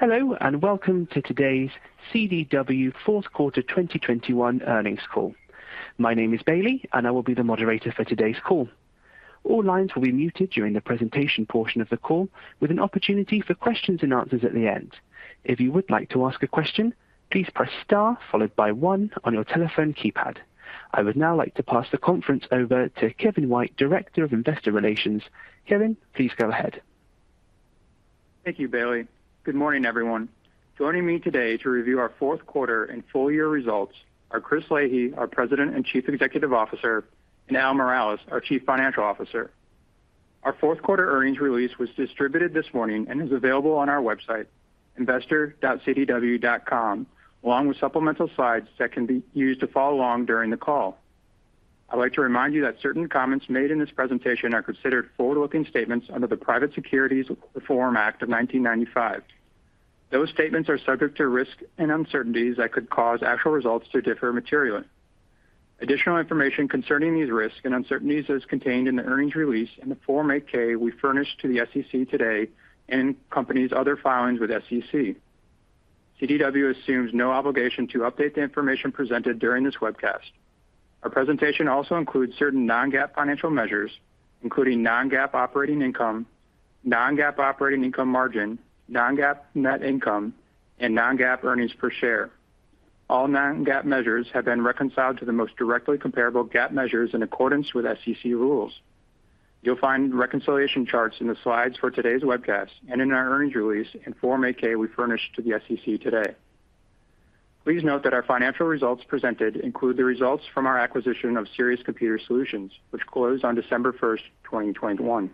Hello, and welcome to today's CDW fourth quarter 2021 earnings call. My name is Bailey, and I will be the moderator for today's call. All lines will be muted during the presentation portion of the call, with an opportunity for questions and answers at the end. If you would like to ask a question, please press star followed by one on your telephone keypad. I would now like to pass the conference over to Kevin White, Director of Investor Relations. Kevin, please go ahead. Thank you, Bailey. Good morning, everyone. Joining me today to review our fourth quarter and full year results are Chris Leahy, our President and Chief Executive Officer, and Al Miralles, our Chief Financial Officer. Our fourth quarter earnings release was distributed this morning and is available on our website, investor.cdw.com, along with supplemental slides that can be used to follow along during the call. I'd like to remind you that certain comments made in this presentation are considered forward-looking statements under the Private Securities Litigation Reform Act of 1995. Those statements are subject to risks and uncertainties that could cause actual results to differ materially. Additional information concerning these risks and uncertainties is contained in the earnings release in the Form 8-K we furnished to the SEC today and company's other filings with SEC. CDW assumes no obligation to update the information presented during this webcast. Our presentation also includes certain non-GAAP financial measures, including non-GAAP operating income, non-GAAP operating income margin, non-GAAP net income, and non-GAAP earnings per share. All non-GAAP measures have been reconciled to the most directly comparable GAAP measures in accordance with SEC rules. You'll find reconciliation charts in the slides for today's webcast and in our earnings release in Form 8-K we furnished to the SEC today. Please note that our financial results presented include the results from our acquisition of Sirius Computer Solutions, which closed on December 1st, 2021.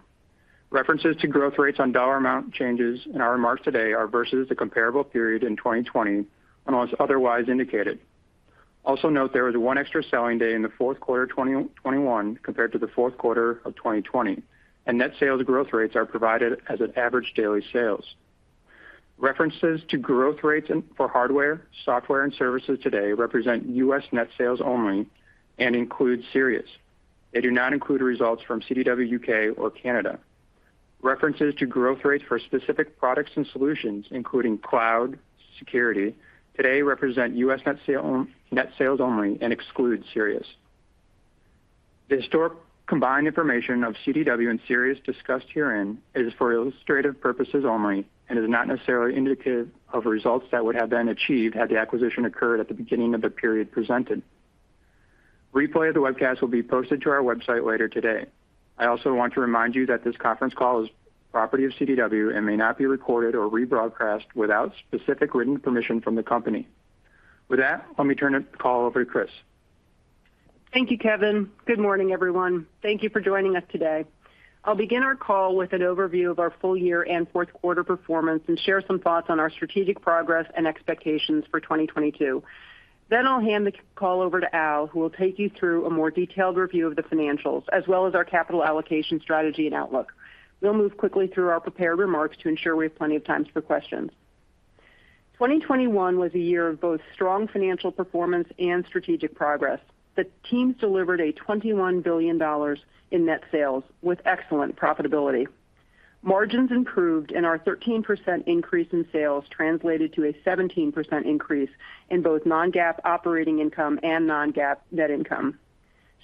References to growth rates on dollar amount changes in our remarks today are versus the comparable period in 2020, unless otherwise indicated. Also note there was one extra selling day in the fourth quarter of 2021 compared to the fourth quarter of 2020, and net sales growth rates are provided as an average daily sales. References to growth rates for hardware, software, and services today represent U.S. net sales only and include Sirius. They do not include results from CDW U.K. or Canada. References to growth rates for specific products and solutions, including cloud security, today represent U.S. net sales only and exclude Sirius. The historic combined information of CDW and Sirius discussed herein is for illustrative purposes only and is not necessarily indicative of results that would have been achieved had the acquisition occurred at the beginning of the period presented. Replay of the webcast will be posted to our website later today. I also want to remind you that this conference call is property of CDW and may not be recorded or rebroadcast without specific written permission from the company. With that, let me turn the call over to Chris. Thank you, Kevin. Good morning, everyone. Thank you for joining us today. I'll begin our call with an overview of our full year and fourth quarter performance and share some thoughts on our strategic progress and expectations for 2022. Then I'll hand the call over to Al, who will take you through a more detailed review of the financials as well as our capital allocation strategy and outlook. We'll move quickly through our prepared remarks to ensure we have plenty of time for questions. 2021 was a year of both strong financial performance and strategic progress. The teams delivered $21 billion in net sales with excellent profitability. Margins improved, and our 13% increase in sales translated to a 17% increase in both non-GAAP operating income and non-GAAP net income.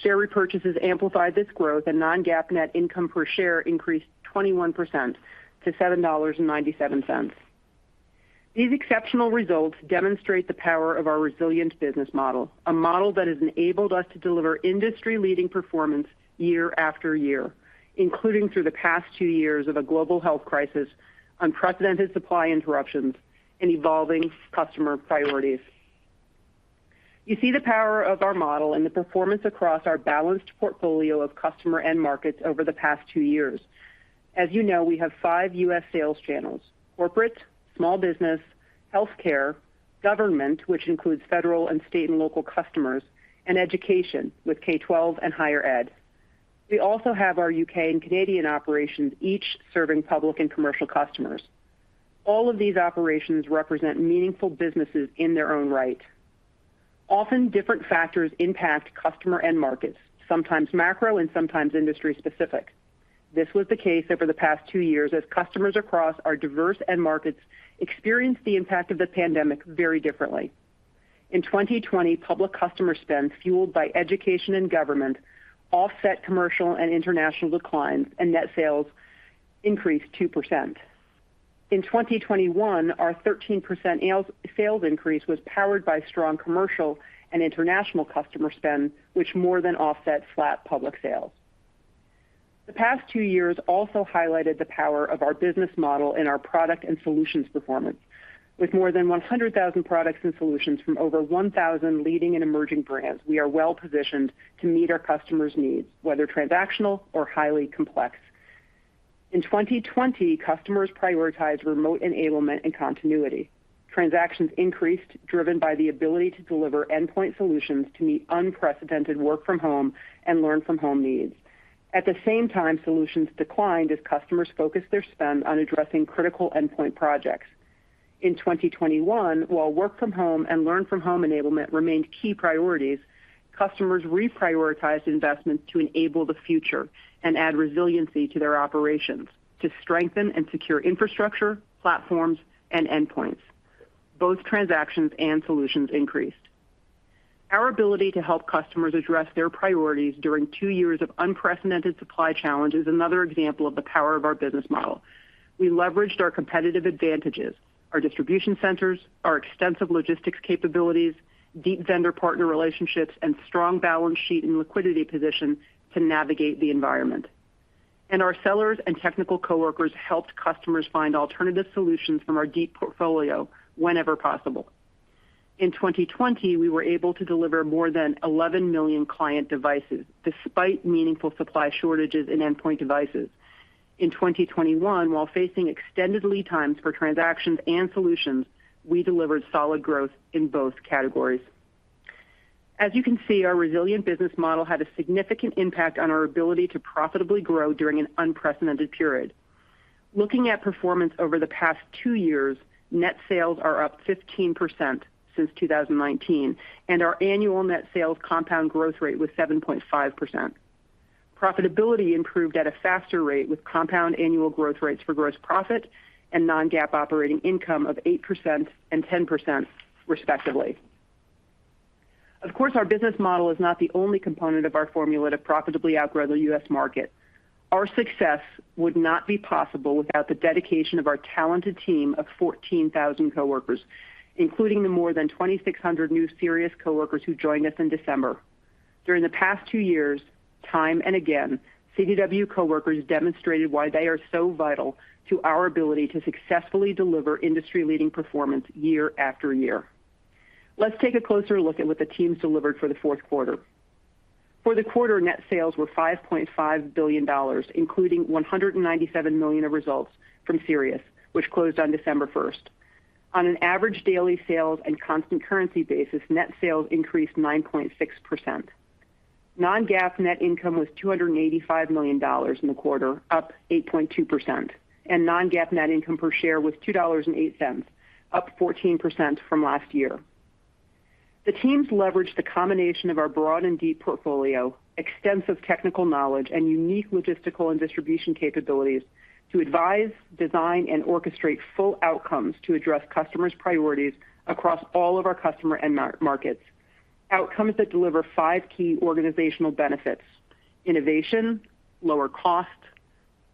Share repurchases amplified this growth, and non-GAAP net income per share increased 21% to $7.97. These exceptional results demonstrate the power of our resilient business model, a model that has enabled us to deliver industry-leading performance year after year, including through the past two years of a global health crisis, unprecedented supply interruptions, and evolving customer priorities. You see the power of our model and the performance across our balanced portfolio of customer end markets over the past two years. As you know, we have five U.S. sales channels, corporate, small business, healthcare, government, which includes federal and state and local customers, and education with K-12 and higher ed. We also have our U.K. and Canadian operations, each serving public and commercial customers. All of these operations represent meaningful businesses in their own right. Often different factors impact customer end markets, sometimes macro and sometimes industry-specific. This was the case over the past two years as customers across our diverse end markets experienced the impact of the pandemic very differently. In 2020, public customer spend, fueled by education and government, offset commercial and international declines, and net sales increased 2%. In 2021, our 13% sales increase was powered by strong commercial and international customer spend, which more than offset flat public sales. The past two years also highlighted the power of our business model and our product and solutions performance. With more than 100,000 products and solutions from over 1,000 leading and emerging brands, we are well-positioned to meet our customers' needs, whether transactional or highly complex. In 2020, customers prioritized remote enablement and continuity. Transactions increased, driven by the ability to deliver endpoint solutions to meet unprecedented work from home and learn from home needs. At the same time, solutions declined as customers focused their spend on addressing critical endpoint projects. In 2021, while work from home and learn from home enablement remained key priorities, customers reprioritized investments to enable the future and add resiliency to their operations to strengthen and secure infrastructure, platforms, and endpoints. Both transactions and solutions increased. Our ability to help customers address their priorities during two years of unprecedented supply challenge is another example of the power of our business model. We leveraged our competitive advantages, our distribution centers, our extensive logistics capabilities, deep vendor partner relationships, and strong balance sheet and liquidity position to navigate the environment. Our sellers and technical coworkers helped customers find alternative solutions from our deep portfolio whenever possible. In 2020, we were able to deliver more than 11 million client devices despite meaningful supply shortages in endpoint devices. In 2021, while facing extended lead times for transactions and solutions, we delivered solid growth in both categories. As you can see, our resilient business model had a significant impact on our ability to profitably grow during an unprecedented period. Looking at performance over the past two years, net sales are up 15% since 2019, and our annual net sales compound growth rate was 7.5%. Profitability improved at a faster rate with compound annual growth rates for gross profit and non-GAAP operating income of 8% and 10% respectively. Of course, our business model is not the only component of our formula to profitably outgrow the U.S. market. Our success would not be possible without the dedication of our talented team of 14,000 coworkers, including the more than 2,600 new Sirius coworkers who joined us in December. During the past two years, time and again, CDW coworkers demonstrated why they are so vital to our ability to successfully deliver industry-leading performance year after year. Let's take a closer look at what the teams delivered for the fourth quarter. For the quarter, net sales were $5.5 billion, including $197 million of results from Sirius, which closed on December 1st. On an average daily sales and constant currency basis, net sales increased 9.6%. Non-GAAP net income was $285 million in the quarter, up 8.2%, and non-GAAP net income per share was $2.08, up 14% from last year. The teams leveraged the combination of our broad and deep portfolio, extensive technical knowledge, and unique logistical and distribution capabilities to advise, design, and orchestrate full outcomes to address customers' priorities across all of our customer end markets. Outcomes that deliver five key organizational benefits, innovation, lower cost,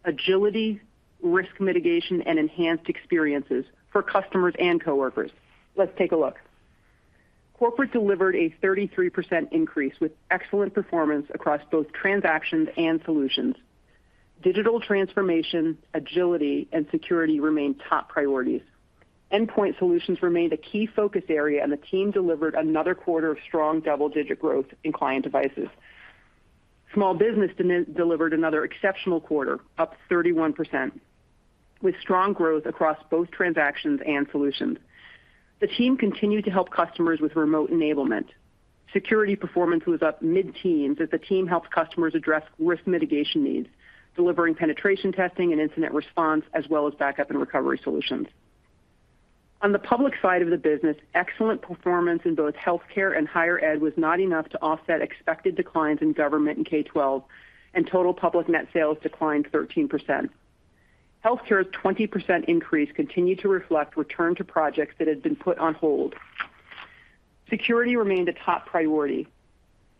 agility, risk mitigation, and enhanced experiences for customers and coworkers. Let's take a look. Corporate delivered a 33% increase with excellent performance across both transactions and solutions. Digital transformation, agility, and security remained top priorities. Endpoint solutions remained a key focus area, and the team delivered another quarter of strong double-digit growth in client devices. Small business delivered another exceptional quarter, up 31%, with strong growth across both transactions and solutions. The team continued to help customers with remote enablement. Security performance was up mid-teens as the team helped customers address risk mitigation needs, delivering penetration testing and incident response, as well as backup and recovery solutions. On the public side of the business, excellent performance in both healthcare and higher ed was not enough to offset expected declines in government and K-12, and total public net sales declined 13%. Healthcare's 20% increase continued to reflect return to projects that had been put on hold. Security remained a top priority.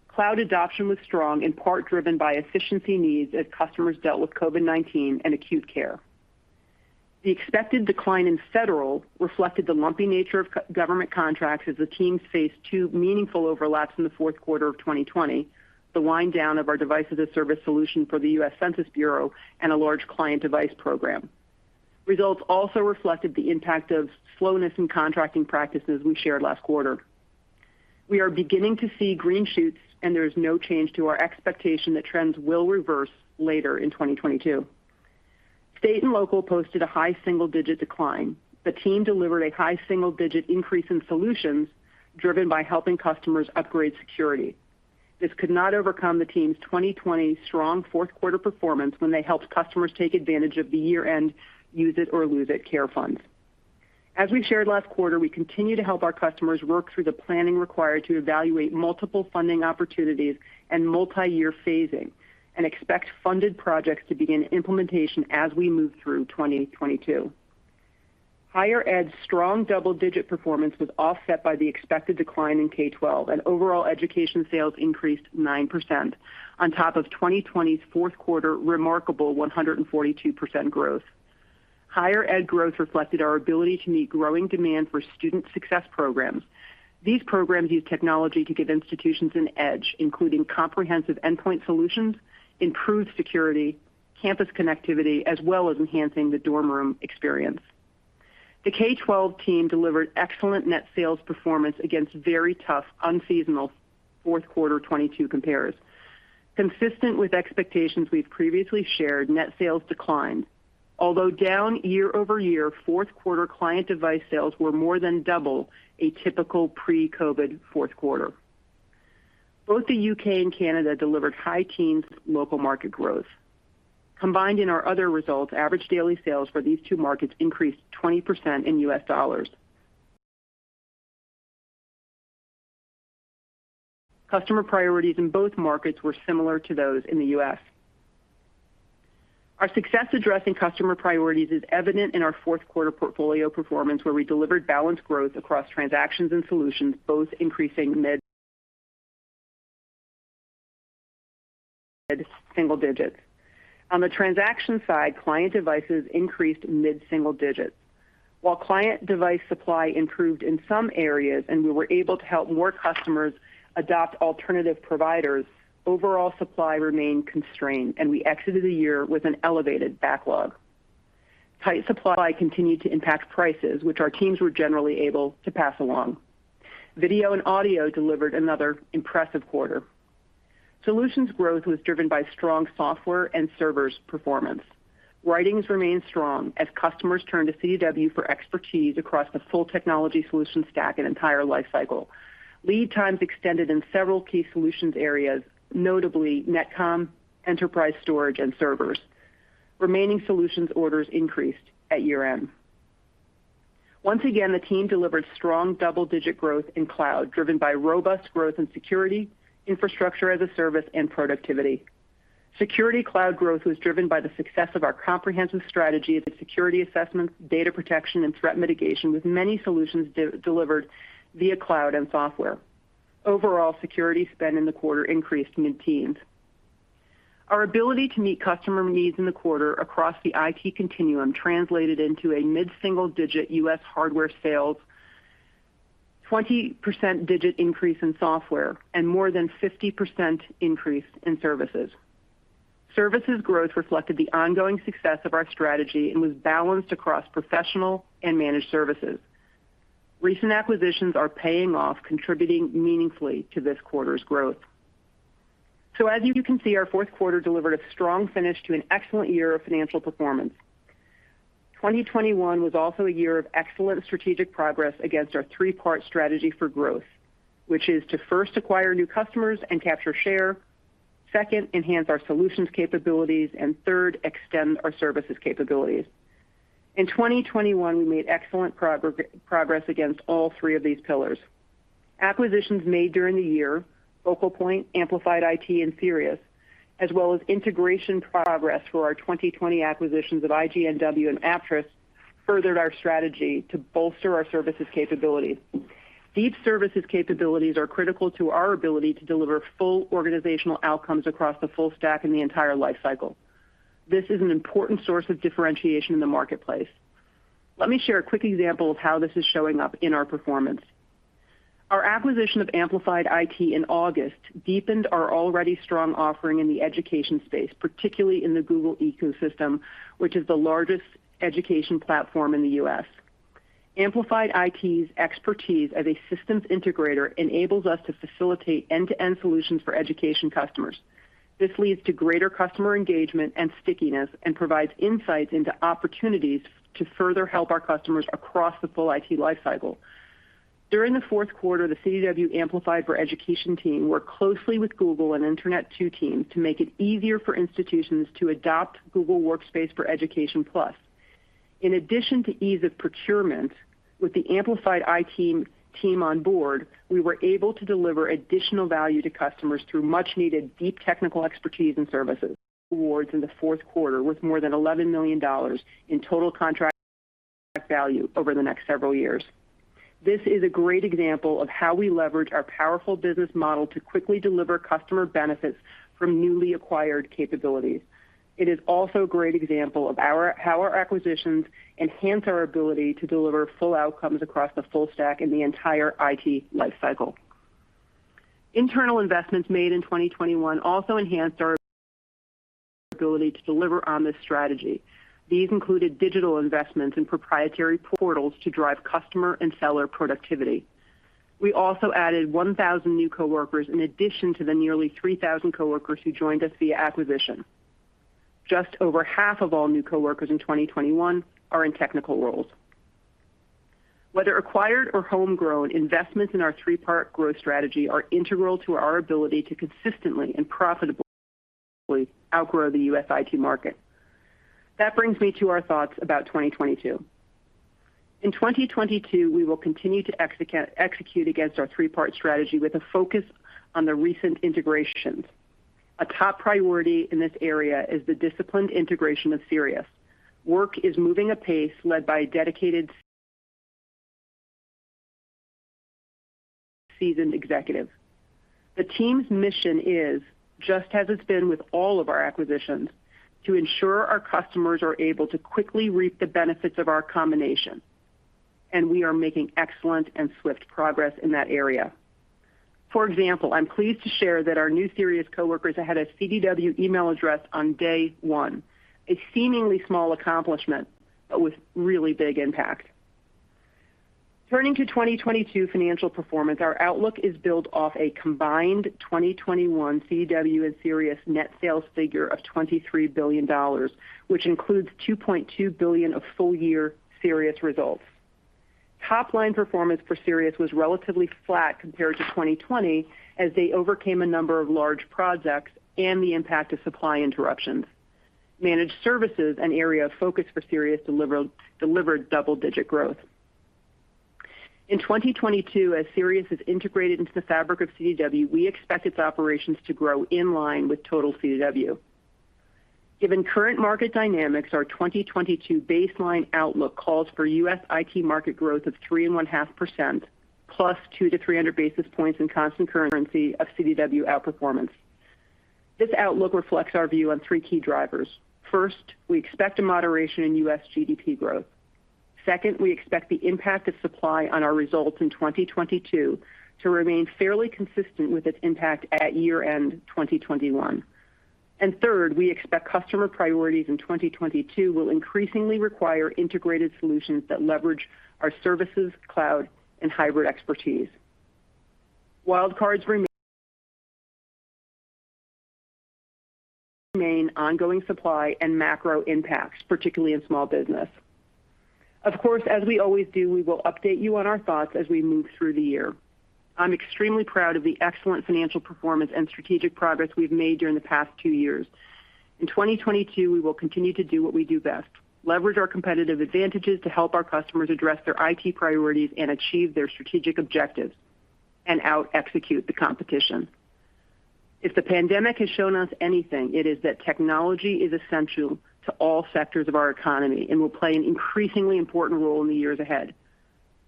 Cloud adoption was strong, in part driven by efficiency needs as customers dealt with COVID-19 and acute care. The expected decline in federal reflected the lumpy nature of e-government contracts as the teams faced two meaningful overlaps in the fourth quarter of 2020, the wind down of our Device as a Service solution for the U.S. Census Bureau and a large client device program. Results also reflected the impact of slowness in contracting practices we shared last quarter. We are beginning to see green shoots, and there is no change to our expectation that trends will reverse later in 2022. State and Local posted a high single-digit decline. The team delivered a high single-digit increase in solutions driven by helping customers upgrade security. This could not overcome the team's 2020 strong fourth quarter performance when they helped customers take advantage of the year-end use it or lose it carry funds. As we shared last quarter, we continue to help our customers work through the planning required to evaluate multiple funding opportunities and multi-year phasing and expect funded projects to begin implementation as we move through 2022. Higher ed's strong double-digit performance was offset by the expected decline in K-12, and overall education sales increased 9% on top of 2020's fourth quarter remarkable 142% growth. Higher ed growth reflected our ability to meet growing demand for student success programs. These programs use technology to give institutions an edge, including comprehensive endpoint solutions, improved security, campus connectivity, as well as enhancing the dorm room experience. The K-12 team delivered excellent net sales performance against very tough unseasonal fourth quarter 2022 compares. Consistent with expectations we've previously shared, net sales declined. Although down year-over-year, fourth quarter client device sales were more than double a typical pre-COVID fourth quarter. Both the U.K. and Canada delivered high teens local market growth. Combined in our other results, average daily sales for these two markets increased 20% in U.S. dollars. Customer priorities in both markets were similar to those in the U.S. Our success addressing customer priorities is evident in our fourth quarter portfolio performance, where we delivered balanced growth across transactions and solutions, both increasing mid-single digits. On the transaction side, client devices increased mid-single digits. While client device supply improved in some areas and we were able to help more customers adopt alternative providers, overall supply remained constrained, and we exited the year with an elevated backlog. Tight supply continued to impact prices, which our teams were generally able to pass along. Video and audio delivered another impressive quarter. Solutions growth was driven by strong software and servers performance. Writings remained strong as customers turned to CDW for expertise across the full technology solution stack and entire lifecycle. Lead times extended in several key solutions areas, notably netcomm, enterprise storage, and servers. Remaining solutions orders increased at year-end. Once again, the team delivered strong double-digit growth in cloud, driven by robust growth in security, infrastructure as a service, and productivity. Security cloud growth was driven by the success of our comprehensive strategy of security assessments, data protection, and threat mitigation, with many solutions delivered via cloud and software. Overall, security spend in the quarter increased mid-teens%. Our ability to meet customer needs in the quarter across the IT continuum translated into a mid-single-digit U.S. hardware sales, 20% increase in software, and more than 50% increase in services. Services growth reflected the ongoing success of our strategy and was balanced across professional and managed services. Recent acquisitions are paying off, contributing meaningfully to this quarter's growth. As you can see, our fourth quarter delivered a strong finish to an excellent year of financial performance. 2021 was also a year of excellent strategic progress against our three-part strategy for growth, which is to first acquire new customers and capture share. Second, enhance our solutions capabilities, and third, extend our services capabilities. In 2021, we made excellent progress against all three of these pillars. Acquisitions made during the year, Focal Point, Amplified IT, and Sirius, as well as integration progress for our 2020 acquisitions of IGNW and Aptris, furthered our strategy to bolster our services capabilities. Deep services capabilities are critical to our ability to deliver full organizational outcomes across the full stack in the entire lifecycle. This is an important source of differentiation in the marketplace. Let me share a quick example of how this is showing up in our performance. Our acquisition of Amplified IT in August deepened our already strong offering in the education space, particularly in the Google ecosystem, which is the largest education platform in the U.S. Amplified IT's expertise as a systems integrator enables us to facilitate end-to-end solutions for education customers. This leads to greater customer engagement and stickiness and provides insights into opportunities to further help our customers across the full IT lifecycle. During the fourth quarter, the CDW Amplified for Education team worked closely with Google and Internet2 teams to make it easier for institutions to adopt Google Workspace for Education Plus. In addition to ease of procurement, with the Amplified IT team on board, we were able to deliver additional value to customers through much-needed deep technical expertise and services awards in the fourth quarter, worth more than $11 million in total contract value over the next several years. This is a great example of how we leverage our powerful business model to quickly deliver customer benefits from newly acquired capabilities. It is also a great example of how our acquisitions enhance our ability to deliver full outcomes across the full stack in the entire IT lifecycle. Internal investments made in 2021 also enhanced our ability to deliver on this strategy. These included digital investments and proprietary portals to drive customer and seller productivity. We also added 1,000 new coworkers in addition to the nearly 3,000 coworkers who joined us via acquisition. Just over half of all new coworkers in 2021 are in technical roles. Whether acquired or homegrown, investments in our three-part growth strategy are integral to our ability to consistently and profitably outgrow the U.S. IT market. That brings me to our thoughts about 2022. In 2022, we will continue to execute against our three-part strategy with a focus on the recent integrations. A top priority in this area is the disciplined integration of Sirius. Work is moving apace led by a dedicated seasoned executive. The team's mission is, just as it's been with all of our acquisitions, to ensure our customers are able to quickly reap the benefits of our combination, and we are making excellent and swift progress in that area. For example, I'm pleased to share that our new Sirius coworkers had a CDW email address on day one, a seemingly small accomplishment, but with really big impact. Turning to 2022 financial performance, our outlook is built off a combined 2021 CDW and Sirius net sales figure of $23 billion, which includes $2.2 billion of full year Sirius results. Top-line performance for Sirius was relatively flat compared to 2020 as they overcame a number of large projects and the impact of supply interruptions. Managed services, an area of focus for Sirius, delivered double-digit growth. In 2022, as Sirius is integrated into the fabric of CDW, we expect its operations to grow in line with total CDW. Given current market dynamics, our 2022 baseline outlook calls for U.S. IT market growth of 3.5%, plus 200-300 basis points in constant currency of CDW outperformance. This outlook reflects our view on three key drivers. First, we expect a moderation in U.S. GDP growth. Second, we expect the impact of supply on our results in 2022 to remain fairly consistent with its impact at year-end 2021. Third, we expect customer priorities in 2022 will increasingly require integrated solutions that leverage our services, cloud, and hybrid expertise. Wild cards remain ongoing supply and macro impacts, particularly in small business. Of course, as we always do, we will update you on our thoughts as we move through the year. I'm extremely proud of the excellent financial performance and strategic progress we've made during the past two years. In 2022, we will continue to do what we do best, leverage our competitive advantages to help our customers address their IT priorities and achieve their strategic objectives, and out execute the competition. If the pandemic has shown us anything, it is that technology is essential to all sectors of our economy and will play an increasingly important role in the years ahead.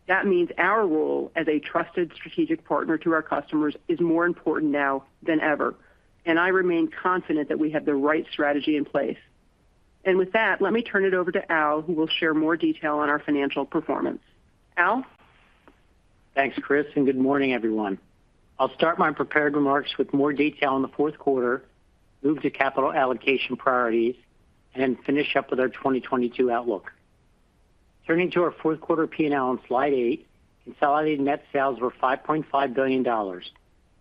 That means our role as a trusted strategic partner to our customers is more important now than ever, and I remain confident that we have the right strategy in place. With that, let me turn it over to Al, who will share more detail on our financial performance. Al? Thanks, Chris, and good morning, everyone. I'll start my prepared remarks with more detail on the fourth quarter, move to capital allocation priorities, and finish up with our 2022 outlook. Turning to our fourth quarter P&L on slide eight, consolidated net sales were $5.5 billion,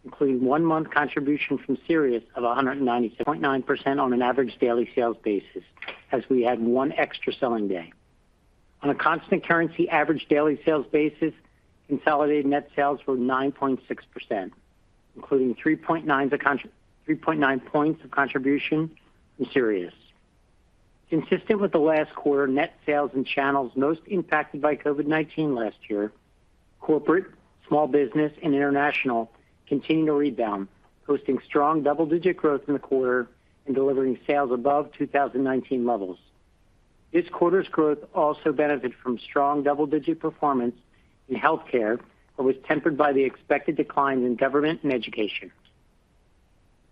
including one-month contribution from Sirius of 196.9% on an average daily sales basis as we had one extra selling day. On a constant currency average daily sales basis, consolidated net sales were 9.6%, including 3.9 points of contribution from Sirius. Consistent with the last quarter, net sales in channels most impacted by COVID-19 last year, corporate, small business, and international continued to rebound, posting strong double-digit growth in the quarter and delivering sales above 2019 levels. This quarter's growth also benefited from strong double-digit performance in healthcare, but was tempered by the expected declines in government and education.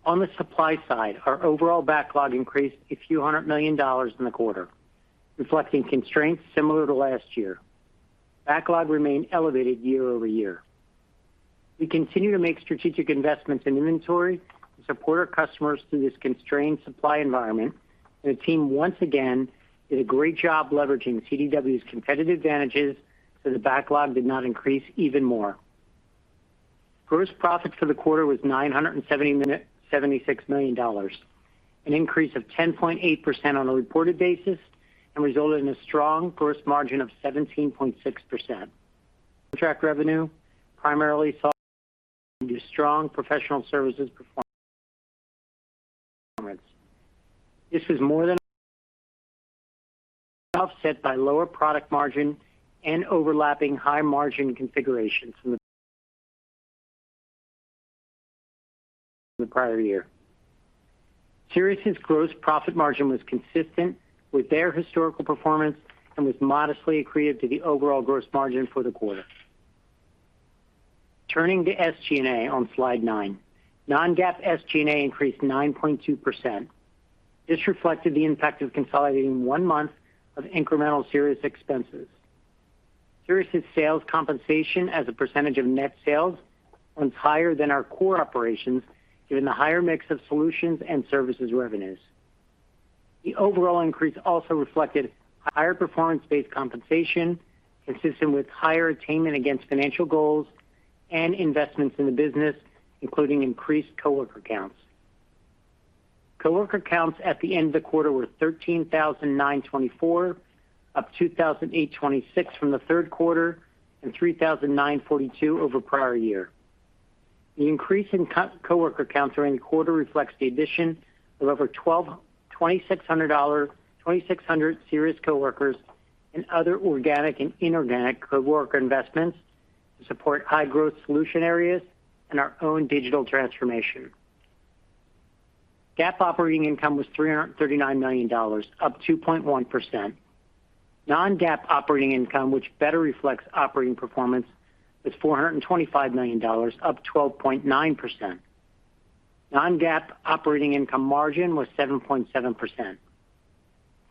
On the supply side, our overall backlog increased a few hundred million dollars in the quarter, reflecting constraints similar to last year. Backlog remained elevated year-over-year. We continue to make strategic investments in inventory to support our customers through this constrained supply environment. The team once again did a great job leveraging CDW's competitive advantages, so the backlog did not increase even more. Gross profit for the quarter was $976 million, an increase of 10.8% on a reported basis and resulted in a strong gross margin of 17.6%. Contract revenue primarily saw the strong professional services performance. This was more than offset by lower product margin and overlapping high margin configurations in the prior year. Sirius's gross profit margin was consistent with their historical performance and was modestly accretive to the overall gross margin for the quarter. Turning to SG&A on slide nine. Non-GAAP SG&A increased 9.2%. This reflected the impact of consolidating one month of incremental Sirius expenses. Sirius's sales compensation as a percentage of net sales runs higher than our core operations, given the higher mix of solutions and services revenues. The overall increase also reflected higher performance-based compensation, consistent with higher attainment against financial goals and investments in the business, including increased coworker counts. Coworker counts at the end of the quarter were 13,924, up 2,826 from the third quarter and 3,942 over prior year. The increase in coworker counts during the quarter reflects the addition of over 2,600 Sirius coworkers and other organic and inorganic coworker investments to support high-growth solution areas and our own digital transformation. GAAP operating income was $339 million, up 2.1%. Non-GAAP operating income, which better reflects operating performance, was $425 million, up 12.9%. Non-GAAP operating income margin was 7.7%.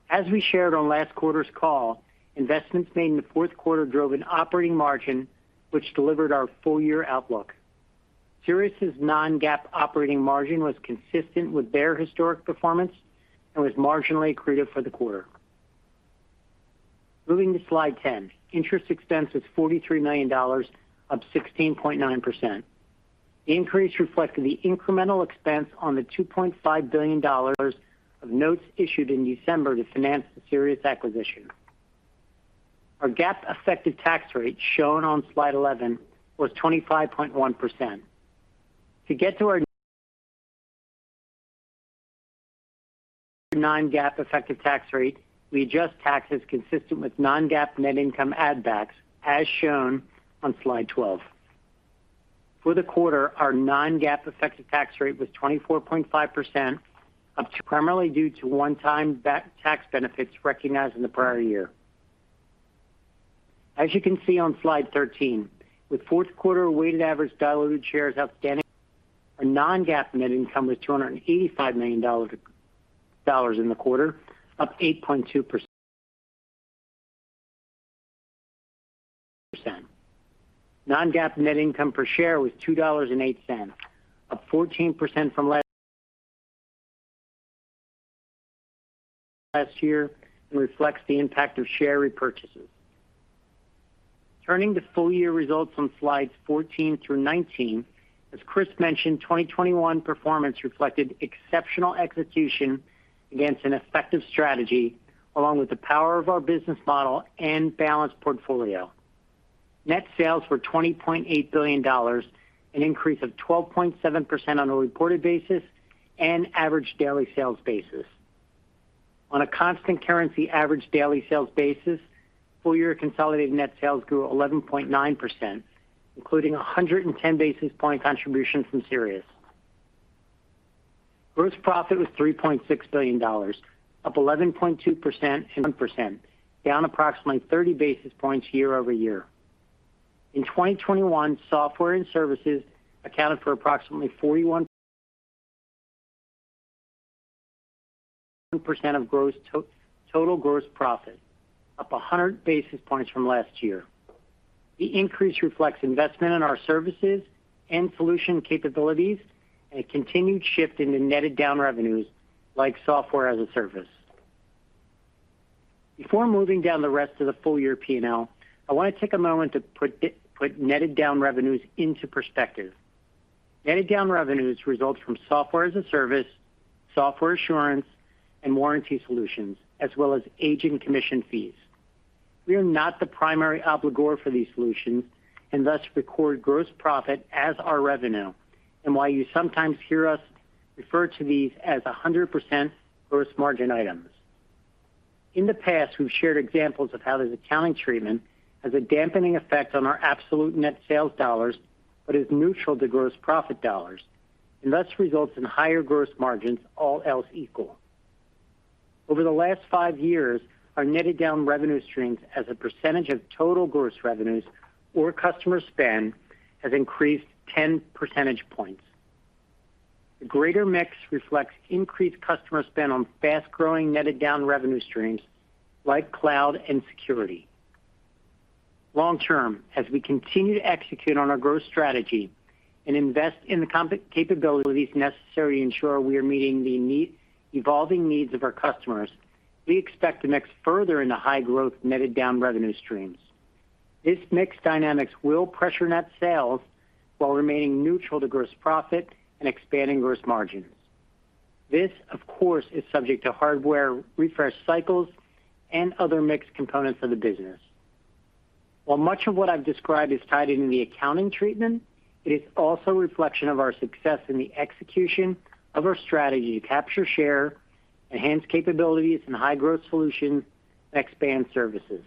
As we shared on last quarter's call, investments made in the fourth quarter drove an operating margin, which delivered our full-year outlook. Sirius's non-GAAP operating margin was consistent with their historic performance and was marginally accretive for the quarter. Moving to slide 10. Interest expense was $43 million, up 16.9%. The increase reflected the incremental expense on the $2.5 billion of notes issued in December to finance the Sirius acquisition. Our GAAP effective tax rate, shown on slide 11, was 25.1%. To get to our non-GAAP effective tax rate, we adjust taxes consistent with non-GAAP net income add backs, as shown on slide 12. For the quarter, our non-GAAP effective tax rate was 24.5%, up 2% primarily due to one-time back-tax benefits recognized in the prior year. As you can see on slide 13, with fourth quarter weighted average diluted shares outstanding, our non-GAAP net income was $285 million in the quarter, up 8.2%. Non-GAAP net income per share was $2.08, up 14% from last year, and reflects the impact of share repurchases. Turning to full-year results on slides 14 through 19, as Chris mentioned, 2021 performance reflected exceptional execution against an effective strategy, along with the power of our business model and balanced portfolio. Net sales were $20.8 billion, an increase of 12.7% on a reported basis and average daily sales basis. On a constant currency average daily sales basis, full-year consolidated net sales grew 11.9%, including a 110 basis point contribution from Sirius. Gross profit was $3.6 billion, up 11.2%, percent down approximately 30 basis points year-over-year. In 2021, software and services accounted for approximately 41% of gross to-total gross profit, up 100 basis points from last year. The increase reflects investment in our services and solution capabilities, and a continued shift into netted down revenues, like software as a service. Before moving down the rest of the full year P&L, I want to take a moment to put netted down revenues into perspective. Netted down revenues results from software as a service, software assurance, and warranty solutions, as well as agent commission fees. We are not the primary obligor for these solutions, and thus record gross profit as our revenue, and why you sometimes hear us refer to these as 100% gross margin items. In the past, we've shared examples of how this accounting treatment has a dampening effect on our absolute net sales dollars, but is neutral to gross profit dollars, and thus results in higher gross margins all else equal. Over the last five years, our netted down revenue streams as a percentage of total gross revenues or customer spend has increased 10 percentage points. The greater mix reflects increased customer spend on fast-growing netted down revenue streams like cloud and security. Long term, as we continue to execute on our growth strategy and invest in the capabilities necessary to ensure we are meeting the evolving needs of our customers, we expect to mix further in the high growth netted down revenue streams. This mix dynamics will pressure net sales while remaining neutral to gross profit and expanding gross margins. This, of course, is subject to hardware refresh cycles and other mixed components of the business. While much of what I've described is tied into the accounting treatment, it is also a reflection of our success in the execution of our strategy to capture share, enhance capabilities in high-growth solutions, and expand services.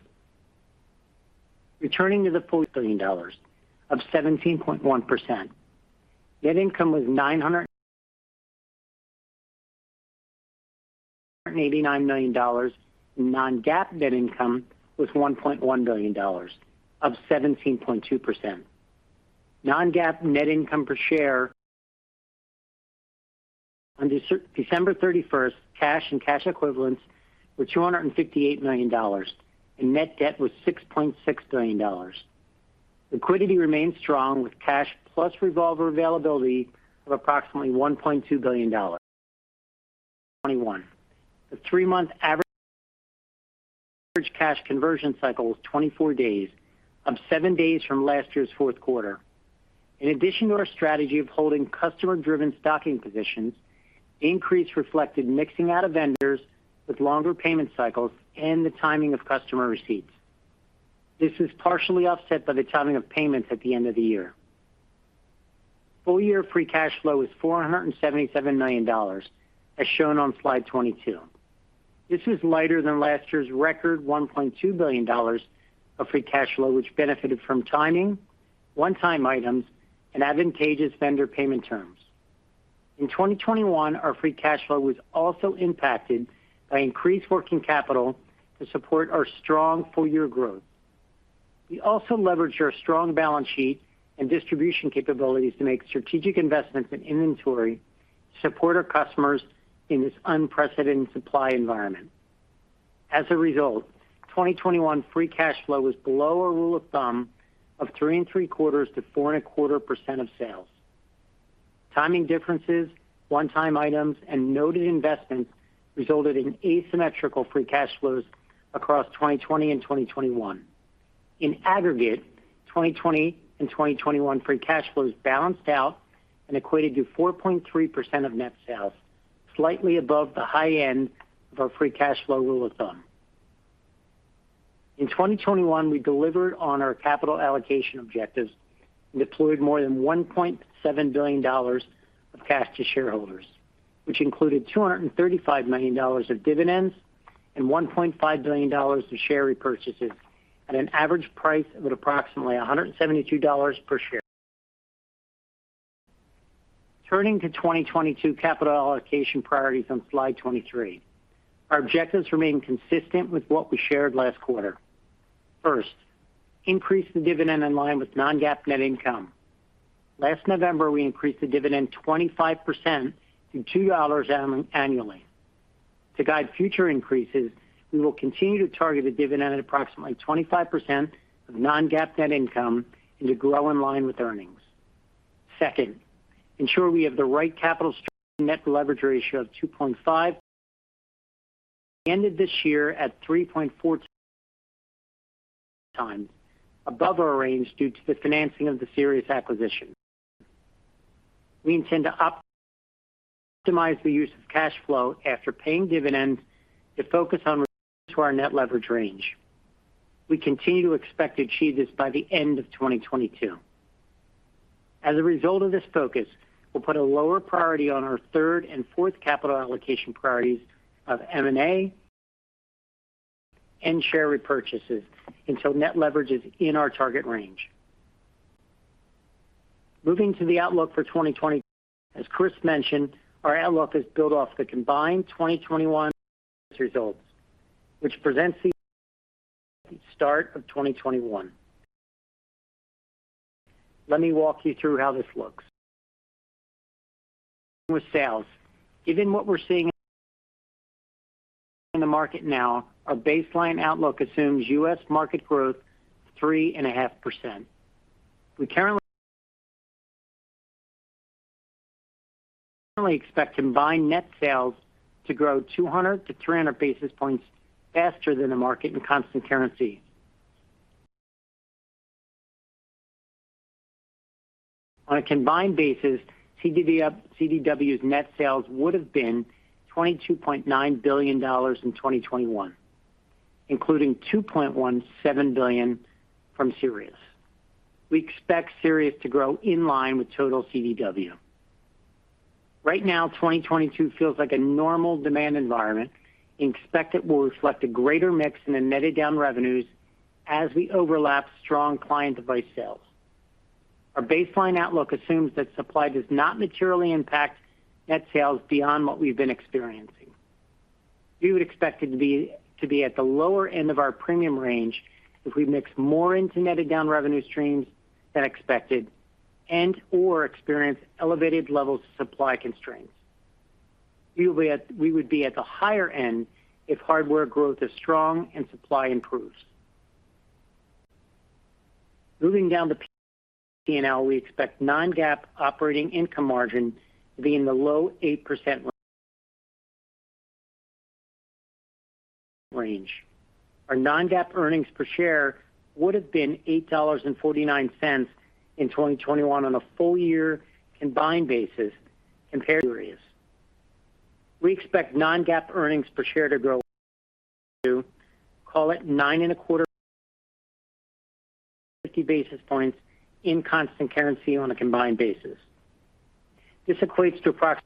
Returning to the full $1 billion of 17.1%. Net income was $989 million. Non-GAAP net income was $1.1 billion, up 17.2%. Non-GAAP net income per share. On December 31st, cash and cash equivalents were $258 million, and net debt was $6.6 billion. Liquidity remains strong with cash plus revolver availability of approximately $1.2 billion. 2021. The three-month average cash conversion cycle was 24 days, up seven days from last year's fourth quarter. In addition to our strategy of holding customer-driven stocking positions, the increase reflected mixing out of vendors with longer payment cycles and the timing of customer receipts. This was partially offset by the timing of payments at the end of the year. Full year free cash flow was $477 million, as shown on slide 22. This was lighter than last year's record $1.2 billion of free cash flow, which benefited from timing, one-time items, and advantageous vendor payment terms. In 2021, our free cash flow was also impacted by increased working capital to support our strong full year growth. We also leveraged our strong balance sheet and distribution capabilities to make strategic investments in inventory to support our customers in this unprecedented supply environment. As a result, 2021 free cash flow was below our rule of thumb of 3.75%-4.25% of sales. Timing differences, one-time items, and noted investments resulted in asymmetrical free cash flows across 2020 and 2021. In aggregate, 2020 and 2021 free cash flows balanced out and equated to 4.3% of net sales, slightly above the high end of our free cash flow rule of thumb. In 2021, we delivered on our capital allocation objectives and deployed more than $1.7 billion of cash to shareholders, which included $235 million of dividends and $1.5 billion to share repurchases at an average price of approximately $172 per share. Turning to 2022 capital allocation priorities on slide 23. Our objectives remain consistent with what we shared last quarter. First, increase the dividend in line with non-GAAP net income. Last November, we increased the dividend 25% to $2 annually. To guide future increases, we will continue to target a dividend at approximately 25% of non-GAAP net income and to grow in line with earnings. Second, ensure we have the right capital structure net leverage ratio of 2.5. We ended this year at 3.4x above our range due to the financing of the Sirius acquisition. We intend to optimize the use of cash flow after paying dividends to focus on our net leverage range. We continue to expect to achieve this by the end of 2022. As a result of this focus, we'll put a lower priority on our third and fourth capital allocation priorities of M&A and share repurchases until net leverage is in our target range. Moving to the outlook for 2022. As Chris mentioned, our outlook is built off the combined 2021 results, which represent the start of 2021. Let me walk you through how this looks. With sales, given what we're seeing in the market now, our baseline outlook assumes U.S. market growth of 3.5%. We currently expect combined net sales to grow 200-300 basis points faster than the market in constant currency. On a combined basis, CDW's net sales would have been $22.9 billion in 2021, including $2.17 billion from Sirius. We expect Sirius to grow in line with total CDW. Right now, 2022 feels like a normal demand environment and we expect it will reflect a greater mix in the netted down revenues as we overlap strong client device sales. Our baseline outlook assumes that supply does not materially impact net sales beyond what we've been experiencing. We would expect it to be at the lower end of our premium range if we mix more into netted down revenue streams than expected and/or experience elevated levels of supply constraints. We would be at the higher end if hardware growth is strong and supply improves. Moving down to P&L, we expect non-GAAP operating income margin to be in the low 8% range. Our non-GAAP earnings per share would have been $8.49 in 2021 on a full year combined basis compared to Sirius. We expect non-GAAP earnings per share to grow, call it 9.25, 50 basis points in constant currency on a combined basis. This equates to approximately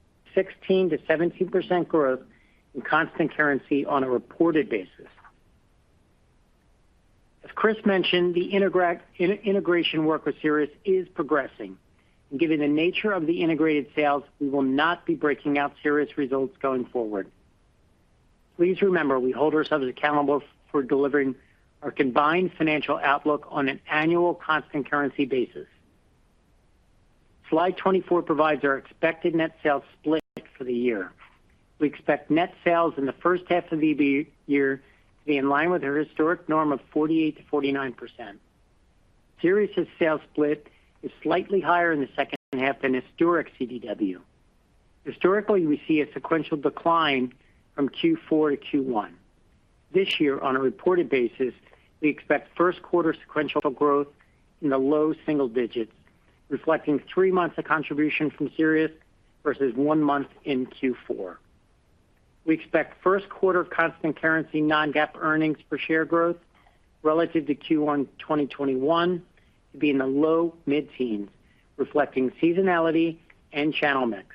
16%-17% growth in constant currency on a reported basis. As Chris mentioned, the integration work with Sirius is progressing. Given the nature of the integrated sales, we will not be breaking out Sirius results going forward. Please remember, we hold ourselves accountable for delivering our combined financial outlook on an annual constant currency basis. Slide 24 provides our expected net sales split for the year. We expect net sales in the first half of the year to be in line with our historic norm of 48%-49%. Sirius' sales split is slightly higher in the second half than historic CDW. Historically, we see a sequential decline from Q4 to Q1. This year, on a reported basis, we expect first quarter sequential growth in the low single digits, reflecting three months of contribution from Sirius versus one month in Q4. We expect first quarter constant currency non-GAAP earnings per share growth relative to Q1 2021 to be in the low mid-teens, reflecting seasonality and channel mix.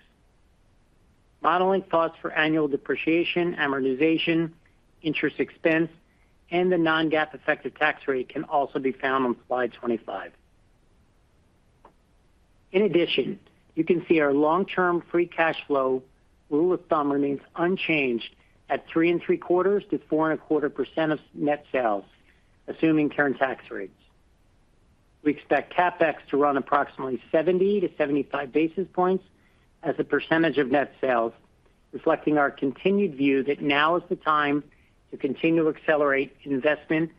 Modeling thoughts for annual depreciation, amortization, interest expense, and the non-GAAP effective tax rate can also be found on slide 25. In addition, you can see our long-term free cash flow rule of thumb remains unchanged at 3.75%-4.25% of net sales, assuming current tax rates. We expect CapEx to run approximately 70-75 basis points as a percentage of net sales, reflecting our continued view that now is the time to continue to accelerate investment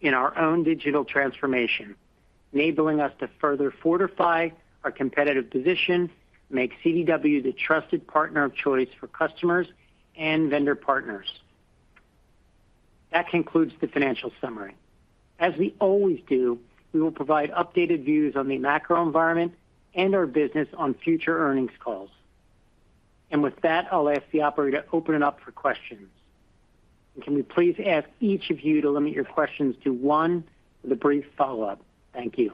in our own digital transformation, enabling us to further fortify our competitive position, make CDW the trusted partner of choice for customers and vendor partners. That concludes the financial summary. As we always do, we will provide updated views on the macro environment and our business on future earnings calls. With that, I'll ask the operator to open it up for questions. Can we please ask each of you to limit your questions to one with a brief follow-up. Thank you.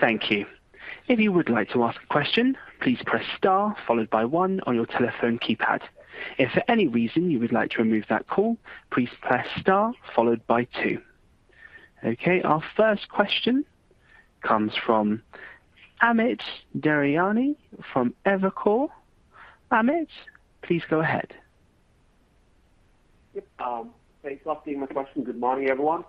Thank you. If you would like to ask a question, please press star followed by one on your telephone keypad. If for any reason you would like to remove that call, please press star followed by two. Okay. Our first question comes from Amit Daryanani from Evercore ISI. Amit, please go ahead. Yep. Thanks a lot for taking my question. Good morning, everyone.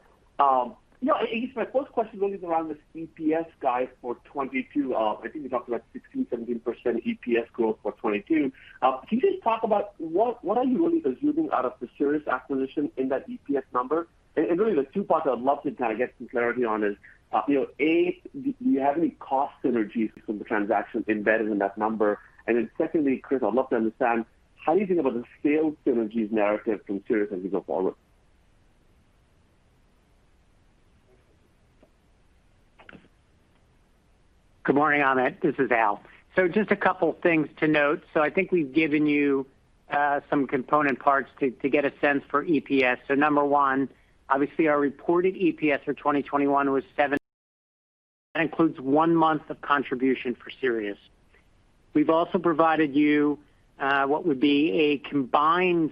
You know, I guess my first question really is around this EPS guide for 2022. I think you talked about 16%-17% EPS growth for 2022. Can you just talk about what are you really assuming out of the Sirius acquisition in that EPS number? And really the two parts I would love to kinda get some clarity on is, you know, A, do you have any cost synergies from the transaction embedded in that number? And then secondly, Chris, I'd love to understand how do you think about the sales synergies narrative from Sirius as we go forward? Good morning, Amit. This is Al. Just a couple things to note. I think we've given you some component parts to get a sense for EPS. Number one, obviously our reported EPS for 2021 was $7. That includes one month of contribution for Sirius. We've also provided you what would be a combined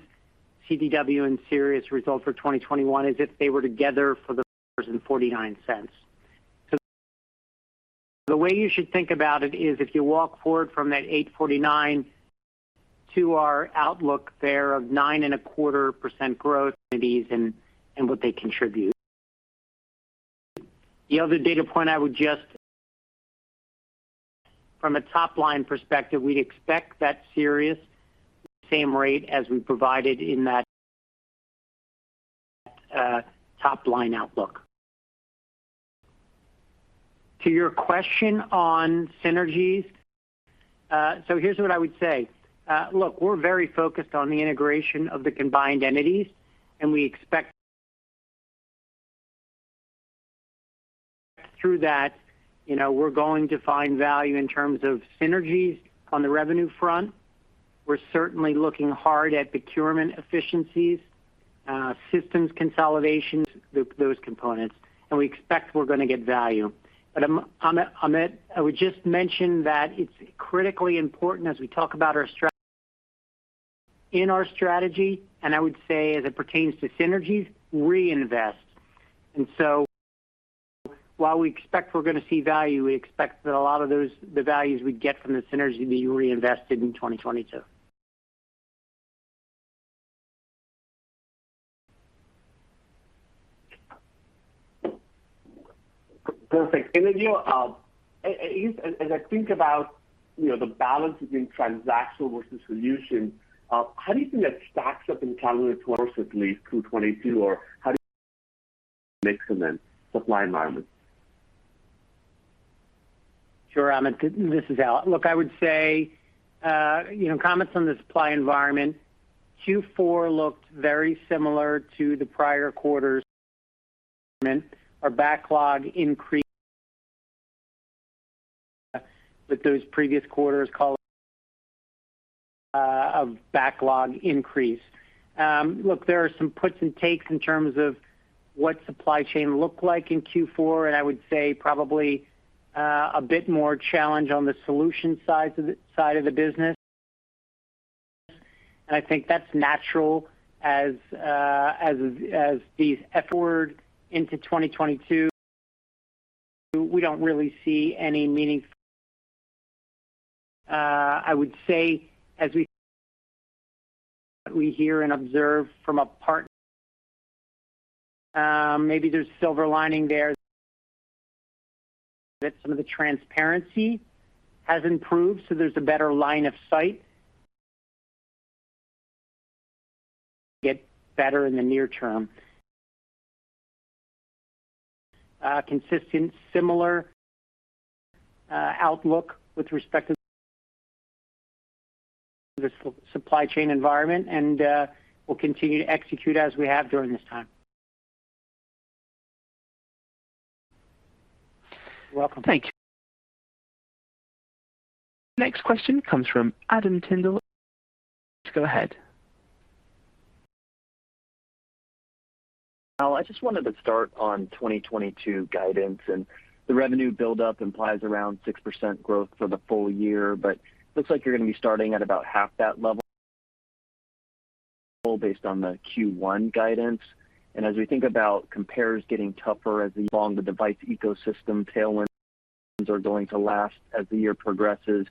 CDW and Sirius result for 2021 as if they were together for $8.49. The way you should think about it is if you walk forward from that $8.49 to our outlook there of 9.25% growth entities and what they contribute. The other data point I would just from a top-line perspective, we'd expect that Sirius same rate as we provided in that top-line outlook. To your question on synergies, here's what I would say. Look, we're very focused on the integration of the combined entities, and we expect through that, you know, we're going to find value in terms of synergies on the revenue front. We're certainly looking hard at procurement efficiencies, systems consolidations, those components, and we expect we're gonna get value. Amit, I would just mention that it's critically important as we talk about our strategy, and I would say as it pertains to synergies, reinvest. While we expect we're gonna see value, we expect that a lot of those, the values we get from the synergy be reinvested in 2022. Perfect. You know, as I think about, you know, the balance between transactional versus solution, how do you think that stacks up in calendar towards at least 2022 or how do you mix them in supply environment? Sure, Amit. This is Al. Look, I would say, you know, comments on the supply environment. Q4 looked very similar to the prior quarters. Our backlog increased with those previous quarters call of backlog increase. Look, there are some puts and takes in terms of what supply chain looked like in Q4, and I would say probably a bit more challenge on the solutions side of the business. I think that's natural as these efforts into 2022, we don't really see any meaningful. We hear and observe from partners. Maybe there's silver lining there that some of the transparency has improved, so there's a better line of sight. Get better in the near term. Consistent, similar outlook with respect to this supply chain environment, and we'll continue to execute as we have during this time. You're welcome. Thank you. Next question comes from Adam Tindle. Go ahead. Al, I just wanted to start on 2022 guidance, and the revenue buildup implies around 6% growth for the full year. Looks like you're gonna be starting at about half that level based on the Q1 guidance. As we think about compares getting tougher as long as the device ecosystem tailwinds are going to last as the year progresses,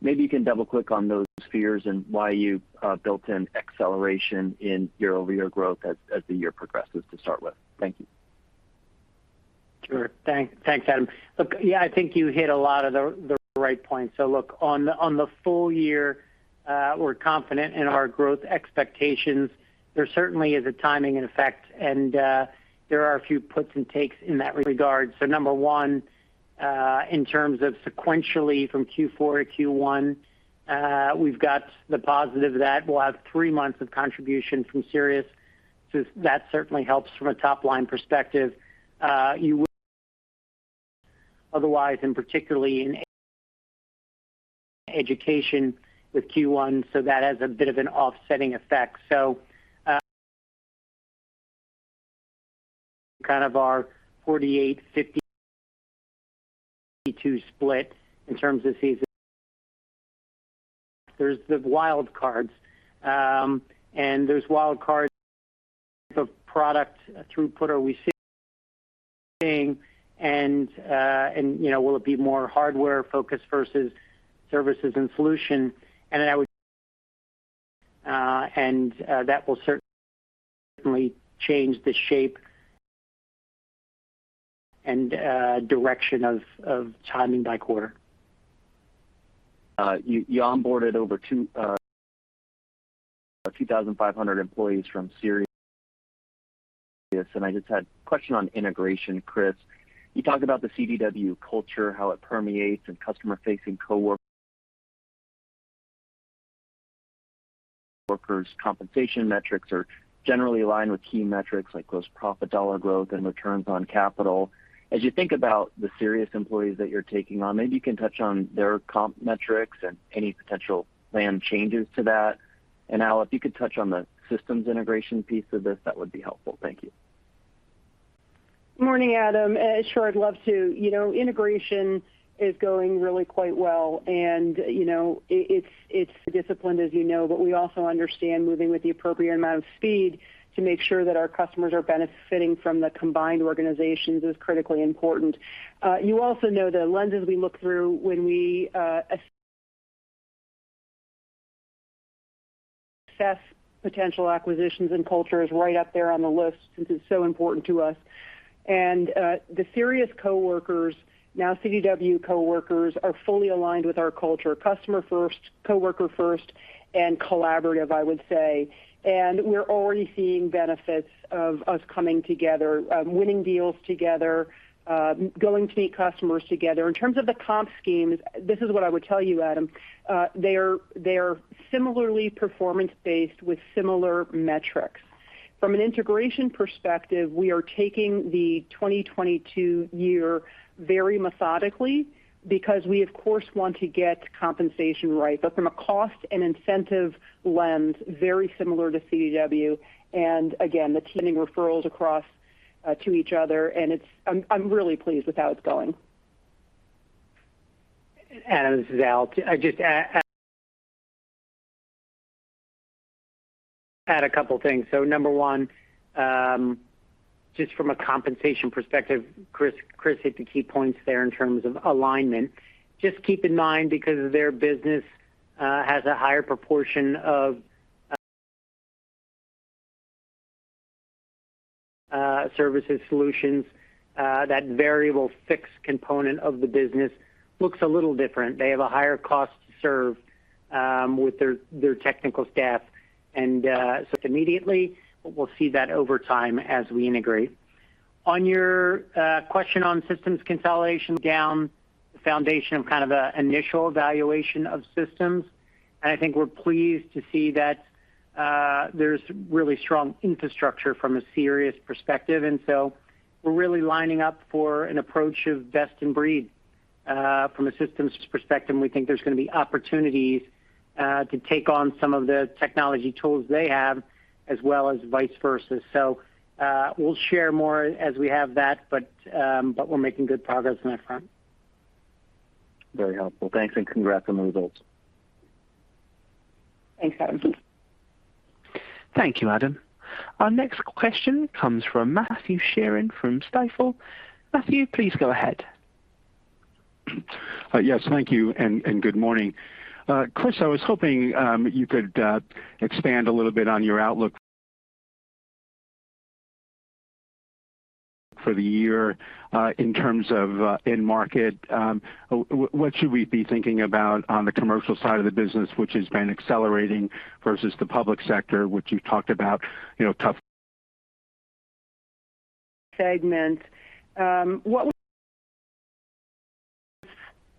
maybe you can double-click on those factors and why you built in acceleration in year-over-year growth as the year progresses to start with. Thank you. Sure. Thanks, Adam. Look, yeah, I think you hit a lot of the right points. On the full year, we're confident in our growth expectations. There certainly is a timing effect, and there are a few puts and takes in that regard. Number one, in terms of sequentially from Q4-Q1, we've got the positive that we'll have three months of contribution from Sirius. That certainly helps from a top line perspective. Otherwise, and particularly in education with Q1, that has a bit of an offsetting effect. Kind of our 48, 52 split in terms of seasonality. There's the wild cards, and there's wild cards of product throughput that we're seeing, and you know, will it be more hardware-focused versus services and solutions? That will certainly change the shape and direction of timing by quarter. You onboarded over 2,500 employees from Sirius. I just had a question on integration, Chris. You talked about the CDW culture, how it permeates, and customer-facing coworker. Workers compensation metrics are generally aligned with key metrics like gross profit, dollar growth, and returns on capital. As you think about the Sirius employees that you're taking on, maybe you can touch on their comp metrics and any potential plan changes to that. Al, if you could touch on the systems integration piece of this, that would be helpful. Thank you. Morning, Adam. Sure, I'd love to. You know, integration is going really quite well and, you know, it's disciplined, as you know, but we also understand moving with the appropriate amount of speed to make sure that our customers are benefiting from the combined organizations is critically important. You also know the lenses we look through when we assess potential acquisitions and culture is right up there on the list since it's so important to us. The Sirius coworkers, now CDW coworkers, are fully aligned with our culture, customer first, coworker first, and collaborative, I would say. We're already seeing benefits of us coming together, winning deals together, going to meet customers together. In terms of the comp schemes, this is what I would tell you, Adam. They are similarly performance-based with similar metrics. From an integration perspective, we are taking the 2022 year very methodically because we of course want to get compensation right. But from a cost and incentive lens, very similar to CDW, and again, the teaming referrals across to each other. I'm really pleased with how it's going. Adam, this is Al. I just add a couple of things. Number one, just from a compensation perspective, Chris hit the key points there in terms of alignment. Just keep in mind because their business has a higher proportion of services solutions that variable fixed component of the business looks a little different. They have a higher cost to serve with their technical staff. Immediately, we'll see that over time as we integrate. On your question on systems consolidation down to the foundation of kind of an initial evaluation of systems, and I think we're pleased to see that there's really strong infrastructure from a Sirius perspective. We're really lining up for an approach of best in breed, from a systems perspective, and we think there's gonna be opportunities to take on some of the technology tools they have as well as vice versa. We'll share more as we have that, but but we're making good progress on that front. Very helpful. Thanks, and congrats on the results. Thanks, Adam. Thank you, Adam. Our next question comes from Matthew Sheerin from Stifel. Matthew, please go ahead. Yes, thank you, and good morning. Chris, I was hoping you could expand a little bit on your outlook for the year, in terms of end market. What should we be thinking about on the commercial side of the business, which has been accelerating versus the public sector, which you talked about, you know, tough. In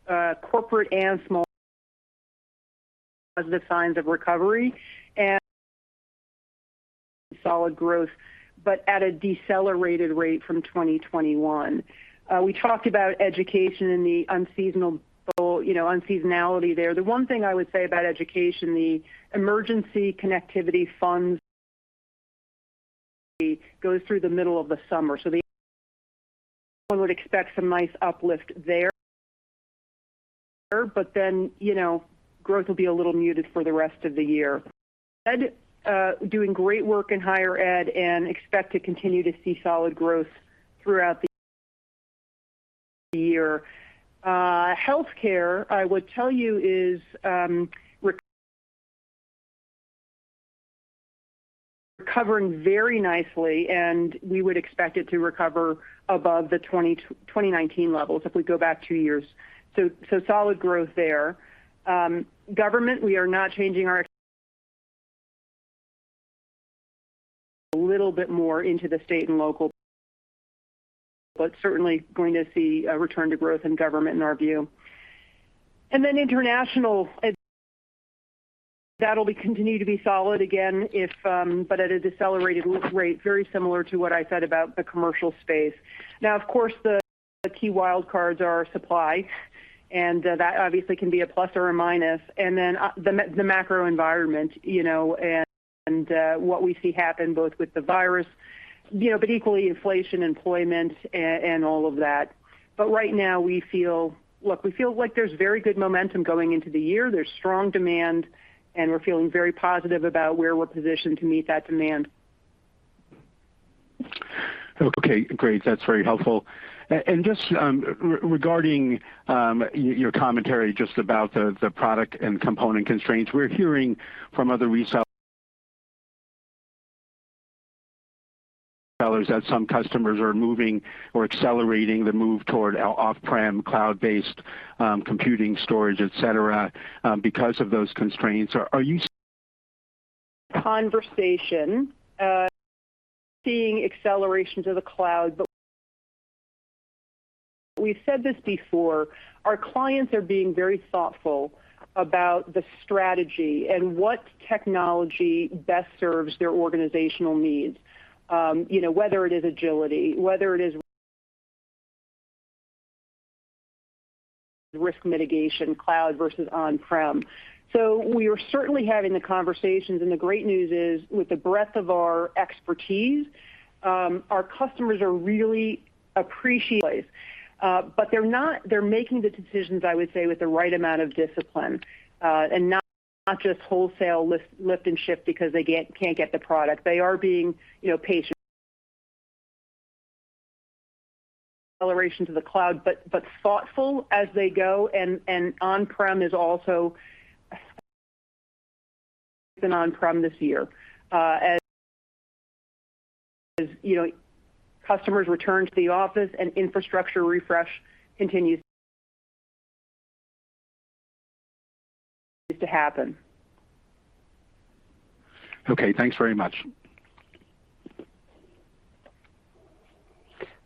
the corporate and small business segment, positive signs of recovery and solid growth, but at a decelerated rate from 2021. We talked about education in the unseasonal, you know, unseasonality there. The one thing I would say about education, the Emergency Connectivity Fund goes through the middle of the summer. One would expect some nice uplift there, but then, you know, growth will be a little muted for the rest of the year. We're doing great work in higher ed and expect to continue to see solid growth throughout the year. Healthcare, I would tell you, is recovering very nicely, and we would expect it to recover above the 2019 levels if we go back two years. Solid growth there. Government, we are not changing our view. A little bit more into the state and local, but certainly going to see a return to growth in government in our view. International, that'll be continued to be solid again, but at a decelerated rate, very similar to what I said about the commercial space. Now, of course, the key wild cards are supply, and that obviously can be a plus or a minus. The macro environment, you know, and what we see happen both with the virus, you know, but equally inflation, employment, and all of that. Right now we feel. Look, we feel like there's very good momentum going into the year. There's strong demand, and we're feeling very positive about where we're positioned to meet that demand. Okay, great. That's very helpful. And just regarding your commentary just about the product and component constraints. We're hearing from other resellers that some customers are moving or accelerating the move toward off-prem cloud-based computing storage, et cetera, because of those constraints. Are you- Seeing acceleration to the cloud. We've said this before, our clients are being very thoughtful about the strategy and what technology best serves their organizational needs, you know, whether it is agility, whether it is risk mitigation, cloud versus on-prem. We are certainly having the conversations, and the great news is, with the breadth of our expertise, our customers are really appreciative. They're making the decisions, I would say, with the right amount of discipline, and not just wholesale lift and shift because they can't get the product. They are being, you know, patient. Acceleration to the cloud, but thoughtful as they go, and on-prem is also on-prem this year, as you know, customers return to the office and infrastructure refresh continues to happen. Okay, thanks very much.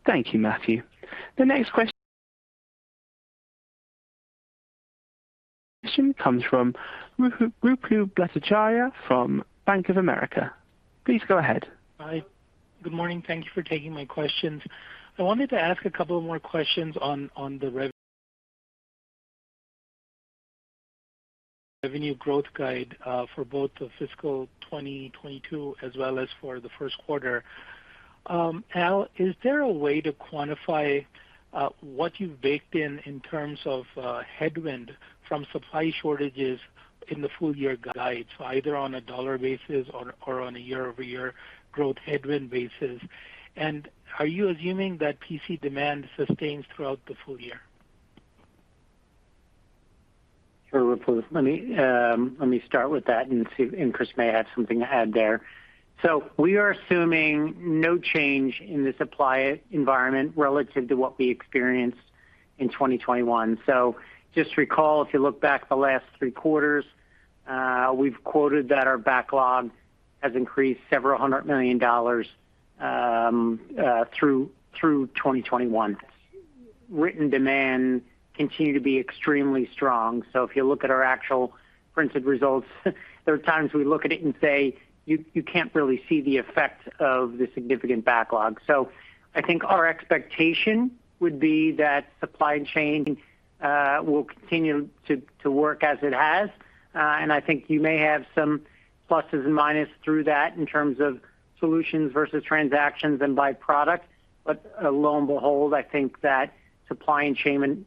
Thank you, Matthew. The next question comes from Ruplu Bhattacharya from Bank of America. Please go ahead. Hi. Good morning. Thank you for taking my questions. I wanted to ask a couple of more questions on the revenue growth guide for both the fiscal 2022 as well as for the first quarter. Al, is there a way to quantify what you've baked in in terms of headwind from supply shortages in the full year guide, so either on a dollar basis or on a year-over-year growth headwind basis? Are you assuming that PC demand sustains throughout the full year? Sure, Ruplu. Let me start with that and see, and Chris may have something to add there. We are assuming no change in the supply environment relative to what we experienced in 2021. Just recall, if you look back the last three quarters, we've quoted that our backlog has increased $several hundred million, through 2021. Written demand continue to be extremely strong. If you look at our actual printed results, there are times we look at it and say, "You can't really see the effect of the significant backlog." I think our expectation would be that supply chain will continue to work as it has. I think you may have some pluses and minus through that in terms of solutions versus transactions and by product. Lo and behold, I think that supply chain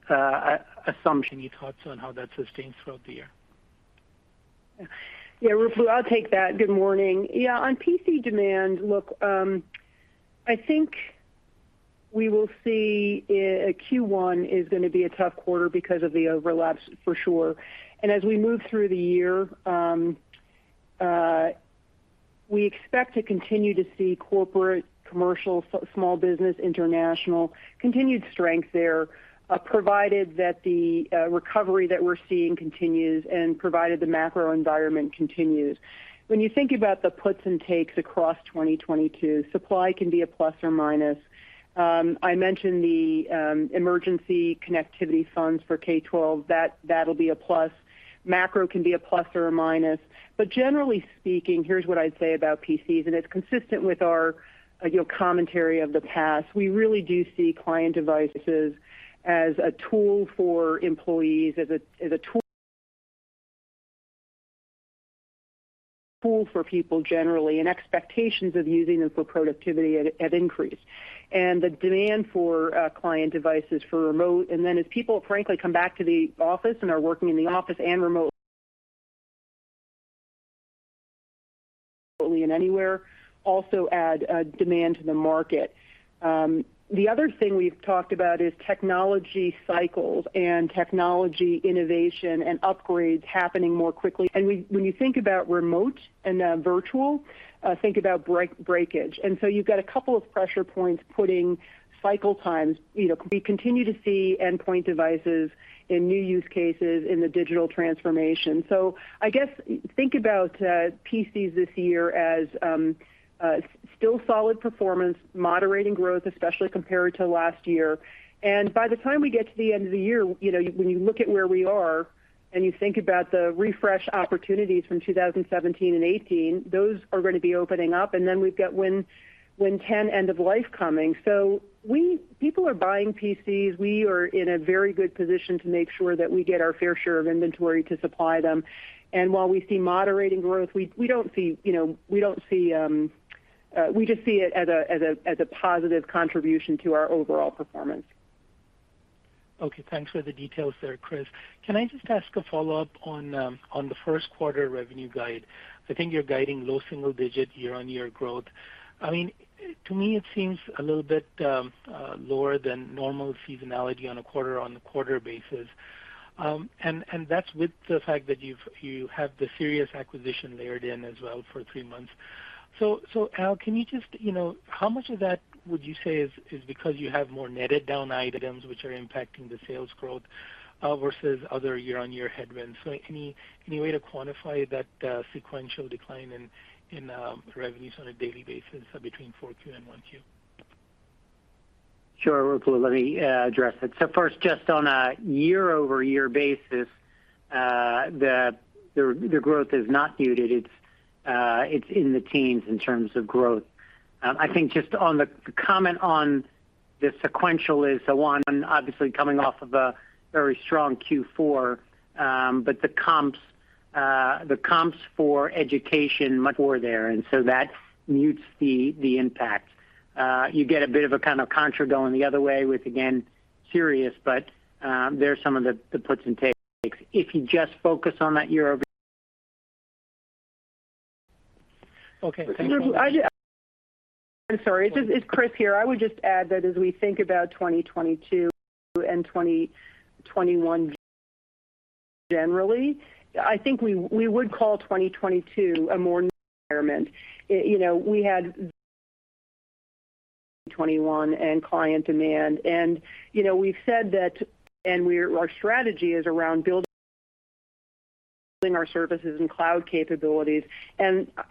assumption. Any thoughts on how that sustains throughout the year? Yeah, Ruplu, I'll take that. Good morning. Yeah, on PC demand, look, I think we will see Q1 is gonna be a tough quarter because of the overlaps for sure. As we move through the year, we expect to continue to see corporate, commercial, small business, international continued strength there, provided that the recovery that we're seeing continues and provided the macro environment continues. When you think about the puts and takes across 2022, supply can be a plus or minus. I mentioned the emergency connectivity funds for K-12. That'll be a plus. Macro can be a plus or a minus. Generally speaking, here's what I'd say about PCs, and it's consistent with our, you know, commentary of the past. We really do see client devices as a tool for employees, a tool for people generally, and expectations of using them for productivity have increased. The demand for client devices for remote, and then as people frankly come back to the office and are working in the office and remotely and anywhere also add demand to the market. The other thing we've talked about is technology cycles and technology innovation and upgrades happening more quickly. When you think about remote and virtual, think about breakage. You've got a couple of pressure points putting cycle times. You know, we continue to see endpoint devices in new use cases in the digital transformation. I guess think about PCs this year as still solid performance, moderating growth, especially compared to last year. By the time we get to the end of the year, you know, when you look at where we are and you think about the refresh opportunities from 2017 and 2018, those are going to be opening up. Then we've got Windows 10 end of life coming. So people are buying PCs. We are in a very good position to make sure that we get our fair share of inventory to supply them. While we see moderating growth, we don't see it as a positive contribution to our overall performance. Okay, thanks for the details there, Chris. Can I just ask a follow-up on the first quarter revenue guide? I think you're guiding low single-digit year-on-year growth. I mean, to me it seems a little bit lower than normal seasonality on a quarter-on-quarter basis. That's with the fact that you have the Sirius acquisition layered in as well for three months. Al, can you just, you know, how much of that would you say is because you have more netted down items which are impacting the sales growth versus other year-on-year headwinds? Like, any way to quantify that sequential decline in revenues on a daily basis between 4Q and 1Q? Sure. Let me address that. First, just on a year-over-year basis, the growth is not muted. It's in the teens in terms of growth. I think just on the comment on the sequential is the one obviously coming off of a very strong Q4. The comps for education much more there. That mutes the impact. You get a bit of a kind of contra going the other way with, again, Sirius. There are some of the puts and takes. If you just focus on that year over- Okay, thank you. I'm sorry, it's Chris here. I would just add that as we think about 2022 and 2021 generally, I think we would call 2022 a more normal environment. You know, we had 2021 and client demand and, you know, we've said that and our strategy is around building our services and cloud capabilities.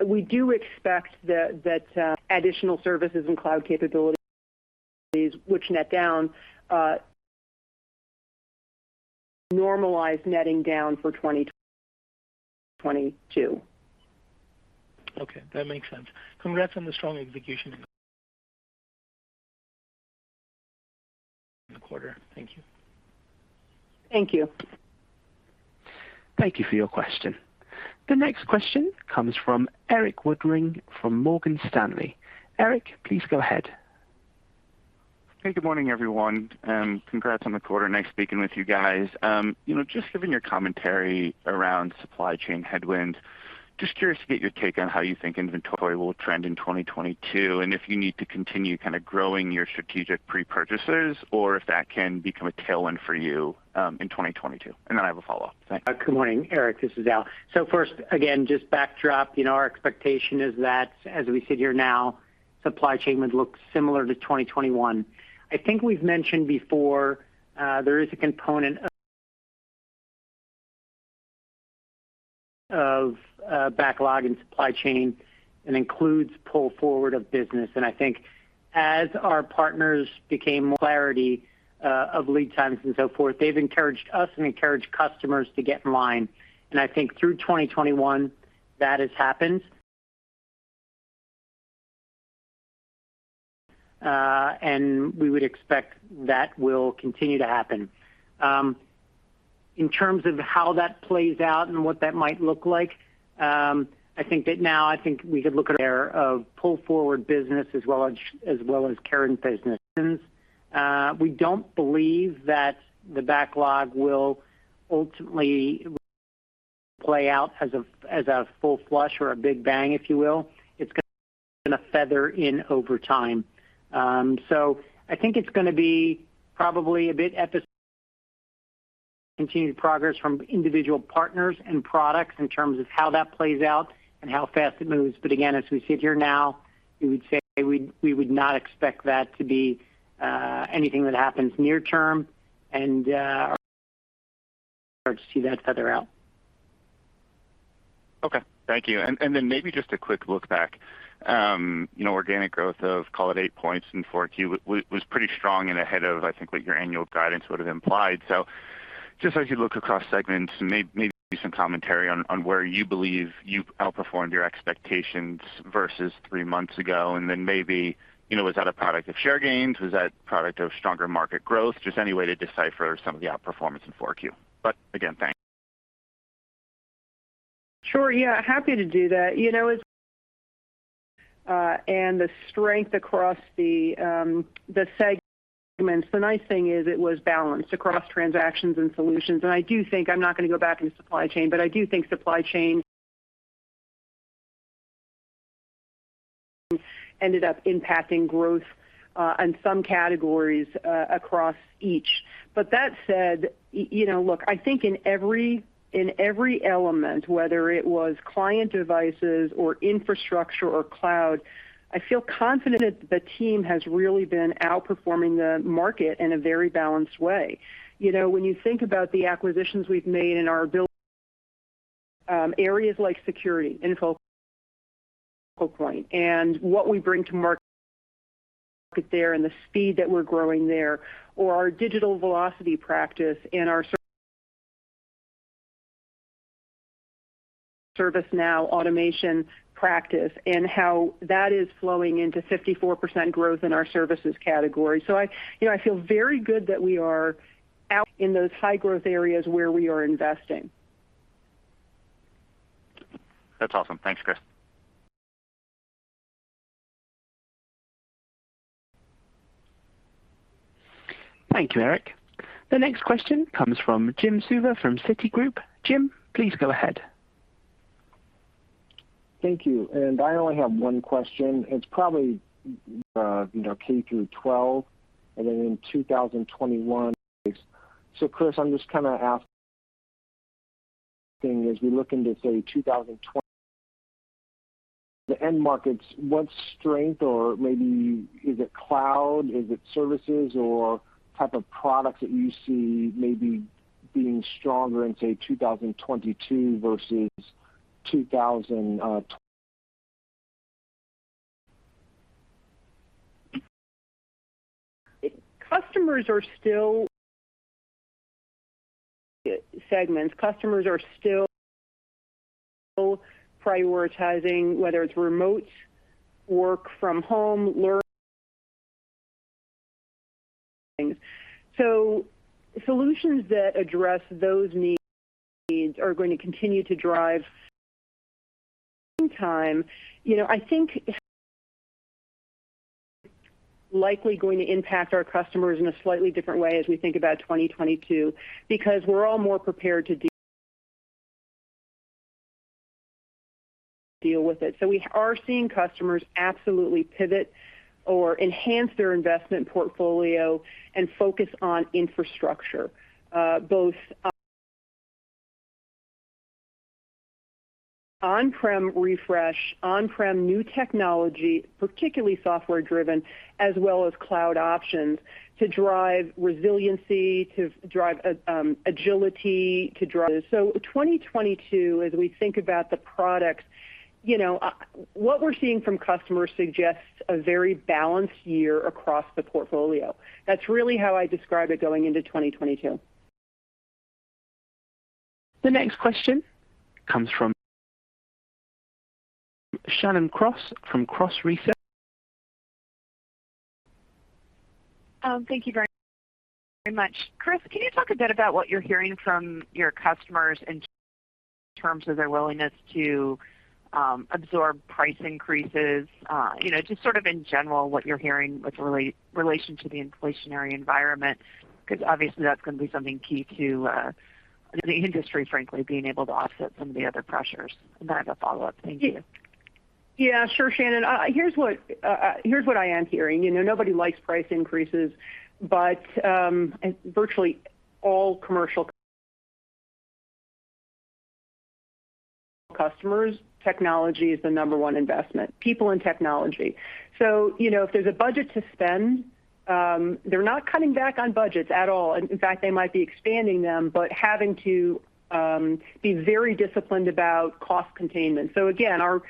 We do expect that additional services and cloud capabilities which net down, normalize netting down for 2022. Okay, that makes sense. Congrats on the strong execution in the quarter. Thank you. Thank you. Thank you for your question. The next question comes from Erik Woodring from Morgan Stanley. Erik, please go ahead. Hey, good morning, everyone, and congrats on the quarter. Nice speaking with you guys. You know, just given your commentary around supply chain headwinds, just curious to get your take on how you think inventory will trend in 2022, and if you need to continue kind of growing your strategic pre-purchases or if that can become a tailwind for you, in 2022. I have a follow-up. Thanks. Good morning, Erik. This is Al Miralles. First again, just backdrop. You know, our expectation is that as we sit here now, supply chain would look similar to 2021. I think we've mentioned before, there is a component of backlog in supply chain and includes pull forward of business. I think as our partners gained clarity of lead times and so forth, they've encouraged us and encouraged customers to get in line. I think through 2021 that has happened, and we would expect that will continue to happen. In terms of how that plays out and what that might look like, I think that now we could look at our pull forward business as well as current businesses. We don't believe that the backlog will ultimately play out as a full flush or a big bang, if you will. It's gonna feather in over time. I think it's gonna be probably a bit episodic, continued progress from individual partners and products in terms of how that plays out and how fast it moves. But again, as we sit here now, we would say we would not expect that to be anything that happens near term and start to see that feather out. Okay. Thank you. Then maybe just a quick look back. You know, organic growth of call it eight points in 4Q was pretty strong and ahead of, I think, what your annual guidance would have implied. Just as you look across segments, maybe some commentary on where you believe you've outperformed your expectations versus three months ago. Then maybe, you know, was that a product of share gains? Was that a product of stronger market growth? Just any way to decipher some of the outperformance in 4Q. Again, thanks. Sure. Yeah, happy to do that. You know, it's the strength across the segments. The nice thing is it was balanced across transactions and solutions. I do think I'm not going to go back into supply chain, but I do think supply chain ended up impacting growth on some categories across each. That said, you know, look, I think in every element, whether it was client devices or infrastructure or cloud, I feel confident the team has really been outperforming the market in a very balanced way. You know, when you think about the acquisitions we've made in our build areas like security, [Intel], Focal Point, and what we bring to the market and the speed that we're growing there, or our Digital Velocity practice and our ServiceNow automation practice and how that is flowing into 54% growth in our services category. You know, I feel very good that we are out in those high growth areas where we are investing. That's awesome. Thanks, Chris. Thank you, Erik. The next question comes from Jim Suva from Citigroup. Jim, please go ahead. Thank you. I only have one question. It's probably K-12 and then in 2021. Chris, I'm just kinda asking, as we look into, say, 2020, the end markets, what strength or maybe is it cloud, is it services or type of products that you see maybe being stronger in, say, 2022 versus 2021? Customers are still prioritizing, whether it's remote work from home. Solutions that address those needs are going to continue to drive demand. You know, I think likely going to impact our customers in a slightly different way as we think about 2022, because we're all more prepared to deal with it. We are seeing customers absolutely pivot or enhance their investment portfolio and focus on infrastructure, both on-prem refresh, on-prem new technology, particularly software driven, as well as cloud options to drive resiliency, to drive agility. 2022, as we think about the products, you know, what we're seeing from customers suggests a very balanced year across the portfolio. That's really how I describe it going into 2022. The next question comes from Shannon Cross from Cross Research. Thank you very much. Chris, can you talk a bit about what you're hearing from your customers in terms of their willingness to absorb price increases? You know, just sort of in general, what you're hearing with relation to the inflationary environment, because obviously that's going to be something key to the industry, frankly, being able to offset some of the other pressures. I have a follow-up. Thank you. Yeah, sure, Shannon. Here's what I am hearing. You know, nobody likes price increases, but for virtually all commercial customers, technology is the number one investment, people and technology. You know, if there's a budget to spend, they're not cutting back on budgets at all. In fact, they might be expanding them, but having to be very disciplined about cost containment. Again, our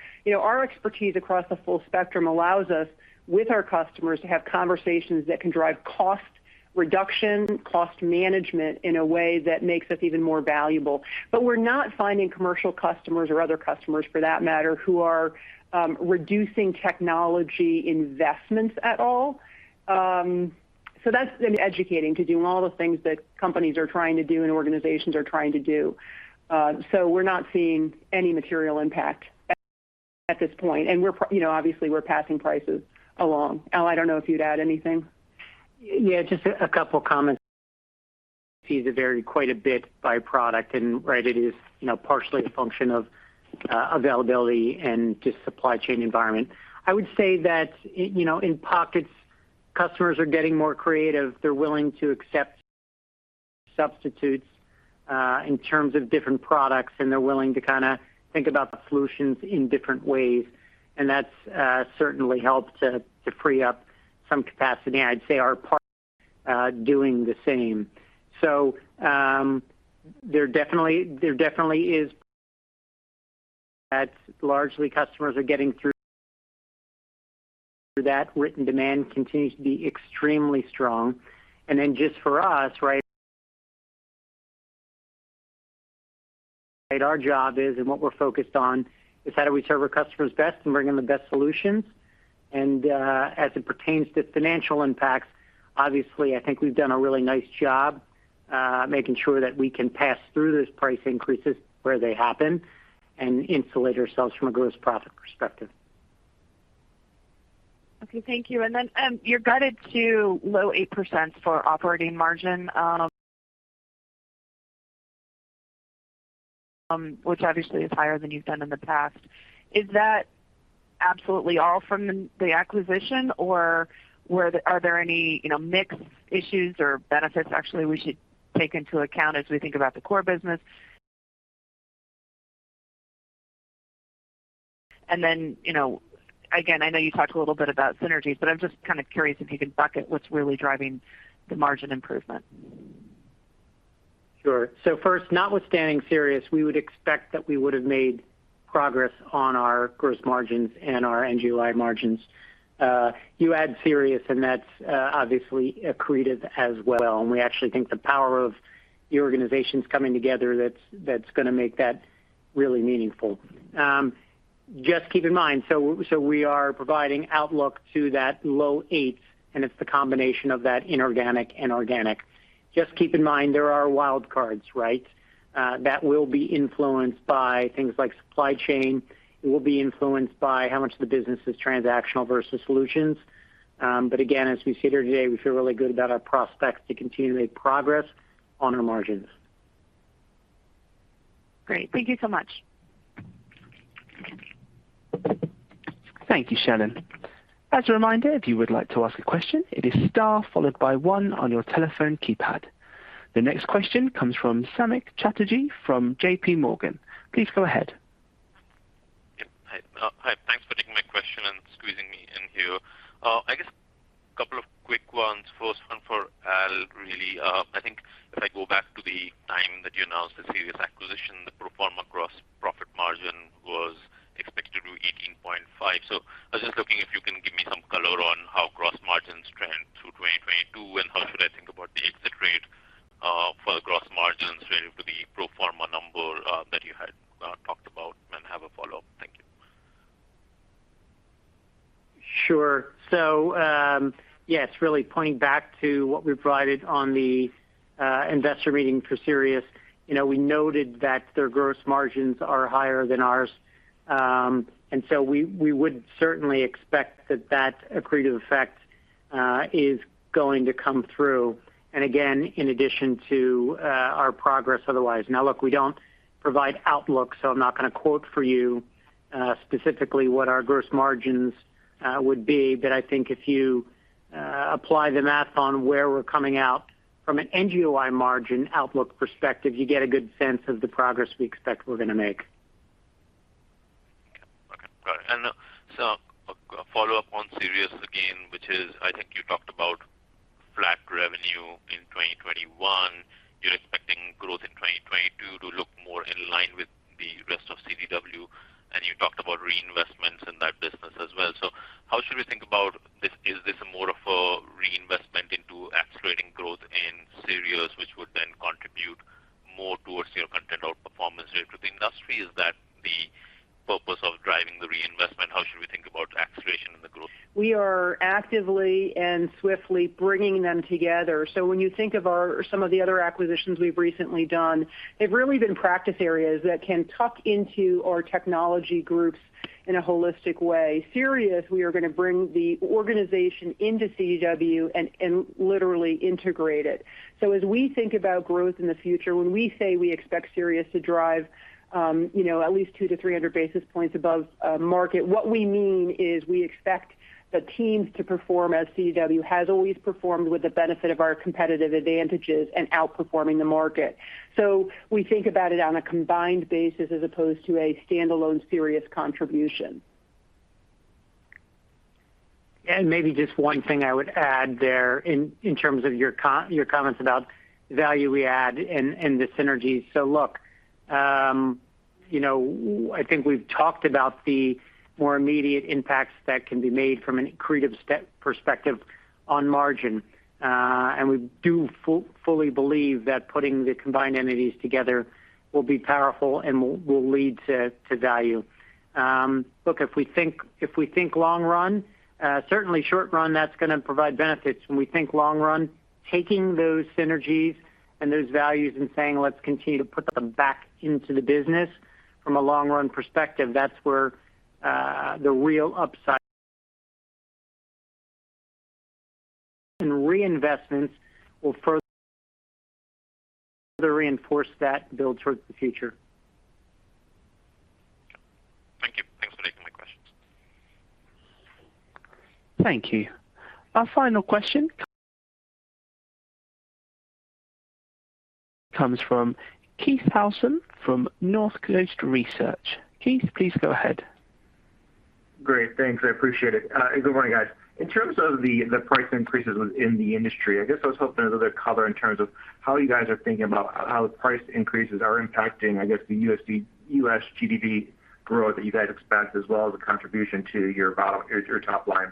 expertise across the full spectrum allows us with our customers to have conversations that can drive cost reduction, cost management in a way that makes us even more valuable. We're not finding commercial customers or other customers for that matter, who are reducing technology investments at all. That's been encouraging to do all the things that companies are trying to do and organizations are trying to do. We're not seeing any material impact at this point. We're, you know, obviously passing prices along. Al, I don't know if you'd add anything. Yeah, just a couple of comments. It varies quite a bit by product and right. It is, you know, partially a function of availability and just supply chain environment. I would say that, you know, in pockets, customers are getting more creative. They're willing to accept substitutes in terms of different products, and they're willing to kinda think about the solutions in different ways, and that's certainly helped to free up some capacity. I'd say our partners doing the same. There definitely is that. Largely, customers are getting through that. Written demand continues to be extremely strong. Just for us, right, our job is, and what we're focused on is how do we serve our customers best and bring them the best solutions. As it pertains to financial impacts, obviously I think we've done a really nice job, making sure that we can pass through those price increases where they happen and insulate ourselves from a gross profit perspective. Okay, thank you. You're guided to low 8% for operating margin, which obviously is higher than you've done in the past. Is that absolutely all from the acquisition or are there any, you know, mixed issues or benefits actually we should take into account as we think about the core business? You know, again, I know you talked a little bit about synergies, but I'm just kind of curious if you can bucket what's really driving the margin improvement. First, notwithstanding Sirius, we would expect that we would have made progress on our gross margins and our NGOI margins. You add Sirius and that's obviously accretive as well. We actually think the power of the organizations coming together that's gonna make that really meaningful. Just keep in mind, so we are providing outlook to that low 8s, and it's the combination of that inorganic and organic. Just keep in mind there are wild cards, right? That will be influenced by things like supply chain. It will be influenced by how much of the business is transactional versus solutions. But again, as we sit here today, we feel really good about our prospects to continue to make progress on our margins. Great. Thank you so much. Thank you, Shannon. As a reminder, if you would like to ask a question, it is star followed by one on your telephone keypad. The next question comes from Samik Chatterjee from JP Morgan. Please go ahead. Yep. Hi. Hi. Thanks for taking my question and squeezing me in here. I guess a couple of quick ones. First one for Al, really. I think if I go back to the time that you announced the Sirius acquisition, the pro forma gross profit margin was expected to be 18.5%. I was just looking if you can give me some color on how gross margins trend through 2022, and how should I think about the exit rate for the gross margins relative to the pro forma number that you had talked about? I have a follow-up. Thank you. Sure. Yes, really pointing back to what we provided on the investor meeting for Sirius. You know, we noted that their gross margins are higher than ours. We would certainly expect that accretive effect is going to come through. Again, in addition to our progress otherwise. Now, look, we don't provide outlook, so I'm not gonna quote for you specifically what our gross margins would be. I think if you apply the math on where we're coming out from an NGOI margin outlook perspective, you get a good sense of the progress we expect we're gonna make. Okay. Got it. A follow-up on Sirius again, which is, I think you talked about flat revenue in 2021. You're expecting growth in 2022 to look more in line with the rest of CDW. You talked about reinvestments in that business as well. How should we think about this? Is this more of a reinvestment into accelerating growth in Sirius, which would then contribute more towards your content or performance rate with the industry? Is that the purpose of driving the reinvestment? How should we think about acceleration in the growth? We are actively and swiftly bringing them together. When you think of our some of the other acquisitions we've recently done, they've really been practice areas that can tuck into our technology groups in a holistic way. Sirius, we are gonna bring the organization into CDW and literally integrate it. As we think about growth in the future, when we say we expect Sirius to drive you know at least 200-300 basis points above market, what we mean is we expect the teams to perform as CDW has always performed with the benefit of our competitive advantages and outperforming the market. We think about it on a combined basis as opposed to a standalone Sirius contribution. Maybe just one thing I would add there in terms of your comments about value we add and the synergies. Look, you know, I think we've talked about the more immediate impacts that can be made from an accretive step perspective on margin. We fully believe that putting the combined entities together will be powerful and will lead to value. Look, if we think long run, certainly short run that's gonna provide benefits. When we think long run, taking those synergies and those values and saying, "Let's continue to put them back into the business from a long run perspective," that's where the real upside and reinvestments will further reinforce that build towards the future. Thank you. Thanks for taking my questions. Thank you. Our final question comes from Keith Housum from Northcoast Research. Keith, please go ahead. Great, thanks. I appreciate it. Good morning, guys. In terms of the price increases within the industry, I guess I was hoping there was a color in terms of how you guys are thinking about how price increases are impacting, I guess the U.S. GDP growth that you guys expect, as well as the contribution to your top line.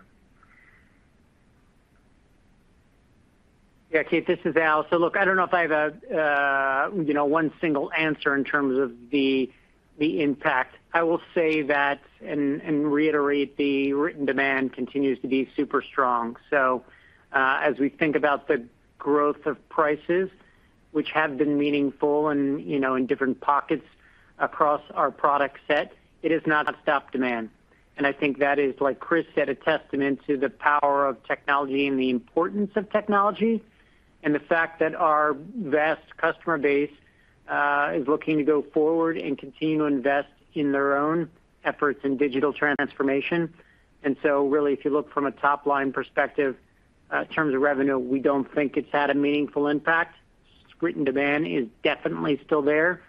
Yeah, Keith, this is Al. Look, I don't know if I have a you know one single answer in terms of the impact. I will say that and reiterate the demand continues to be super strong. As we think about the growth of prices, which have been meaningful and you know in different pockets across our product set, it is not stopping demand. I think that is, like Chris said, a testament to the power of technology and the importance of technology, and the fact that our vast customer base is looking to go forward and continue to invest in their own efforts in digital transformation. Really, if you look from a top line perspective in terms of revenue, we don't think it's had a meaningful impact. Written demand is definitely still there,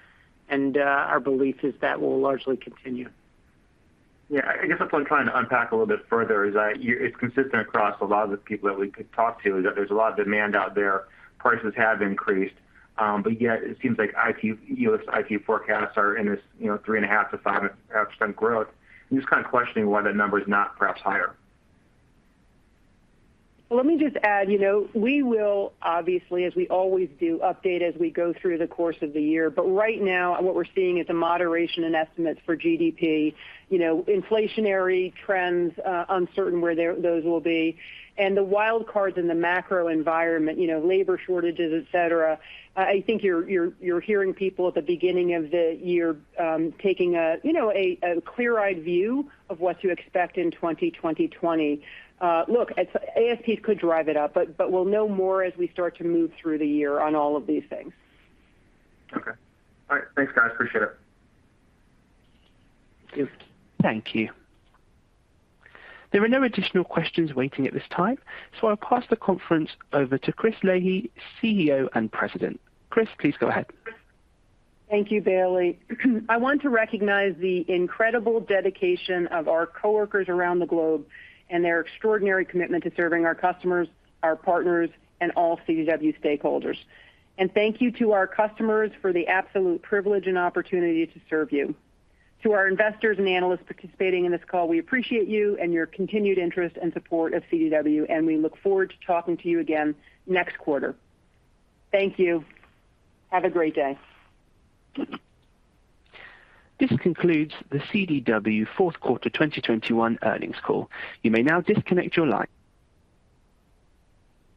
and, our belief is that will largely continue. Yeah. I guess that's what I'm trying to unpack a little bit further, is that it's consistent across a lot of the people that we could talk to, that there's a lot of demand out there. Prices have increased, but yet it seems like IT, U.S. IT forecasts are in this, you know, 3.5%-5% growth. I'm just kind of questioning why that number is not perhaps higher. Let me just add, you know, we will obviously, as we always do, update as we go through the course of the year. Right now what we're seeing is a moderation in estimates for GDP. You know, inflationary trends, uncertain where those will be, and the wild cards in the macro environment, you know, labor shortages, et cetera. I think you're hearing people at the beginning of the year taking a you know clear-eyed view of what to expect in 2020. Look, ASP could drive it up, but we'll know more as we start to move through the year on all of these things. Okay. All right. Thanks, guys. Appreciate it. Thank you. There are no additional questions waiting at this time, so I'll pass the conference over to Chris Leahy, CEO and President. Chris, please go ahead. Thank you, Bailey. I want to recognize the incredible dedication of our coworkers around the globe and their extraordinary commitment to serving our customers, our partners, and all CDW stakeholders. Thank you to our customers for the absolute privilege and opportunity to serve you. To our investors and analysts participating in this call, we appreciate you and your continued interest and support of CDW, and we look forward to talking to you again next quarter. Thank you. Have a great day. This concludes the CDW fourth quarter 2021 earnings call. You may now disconnect your line.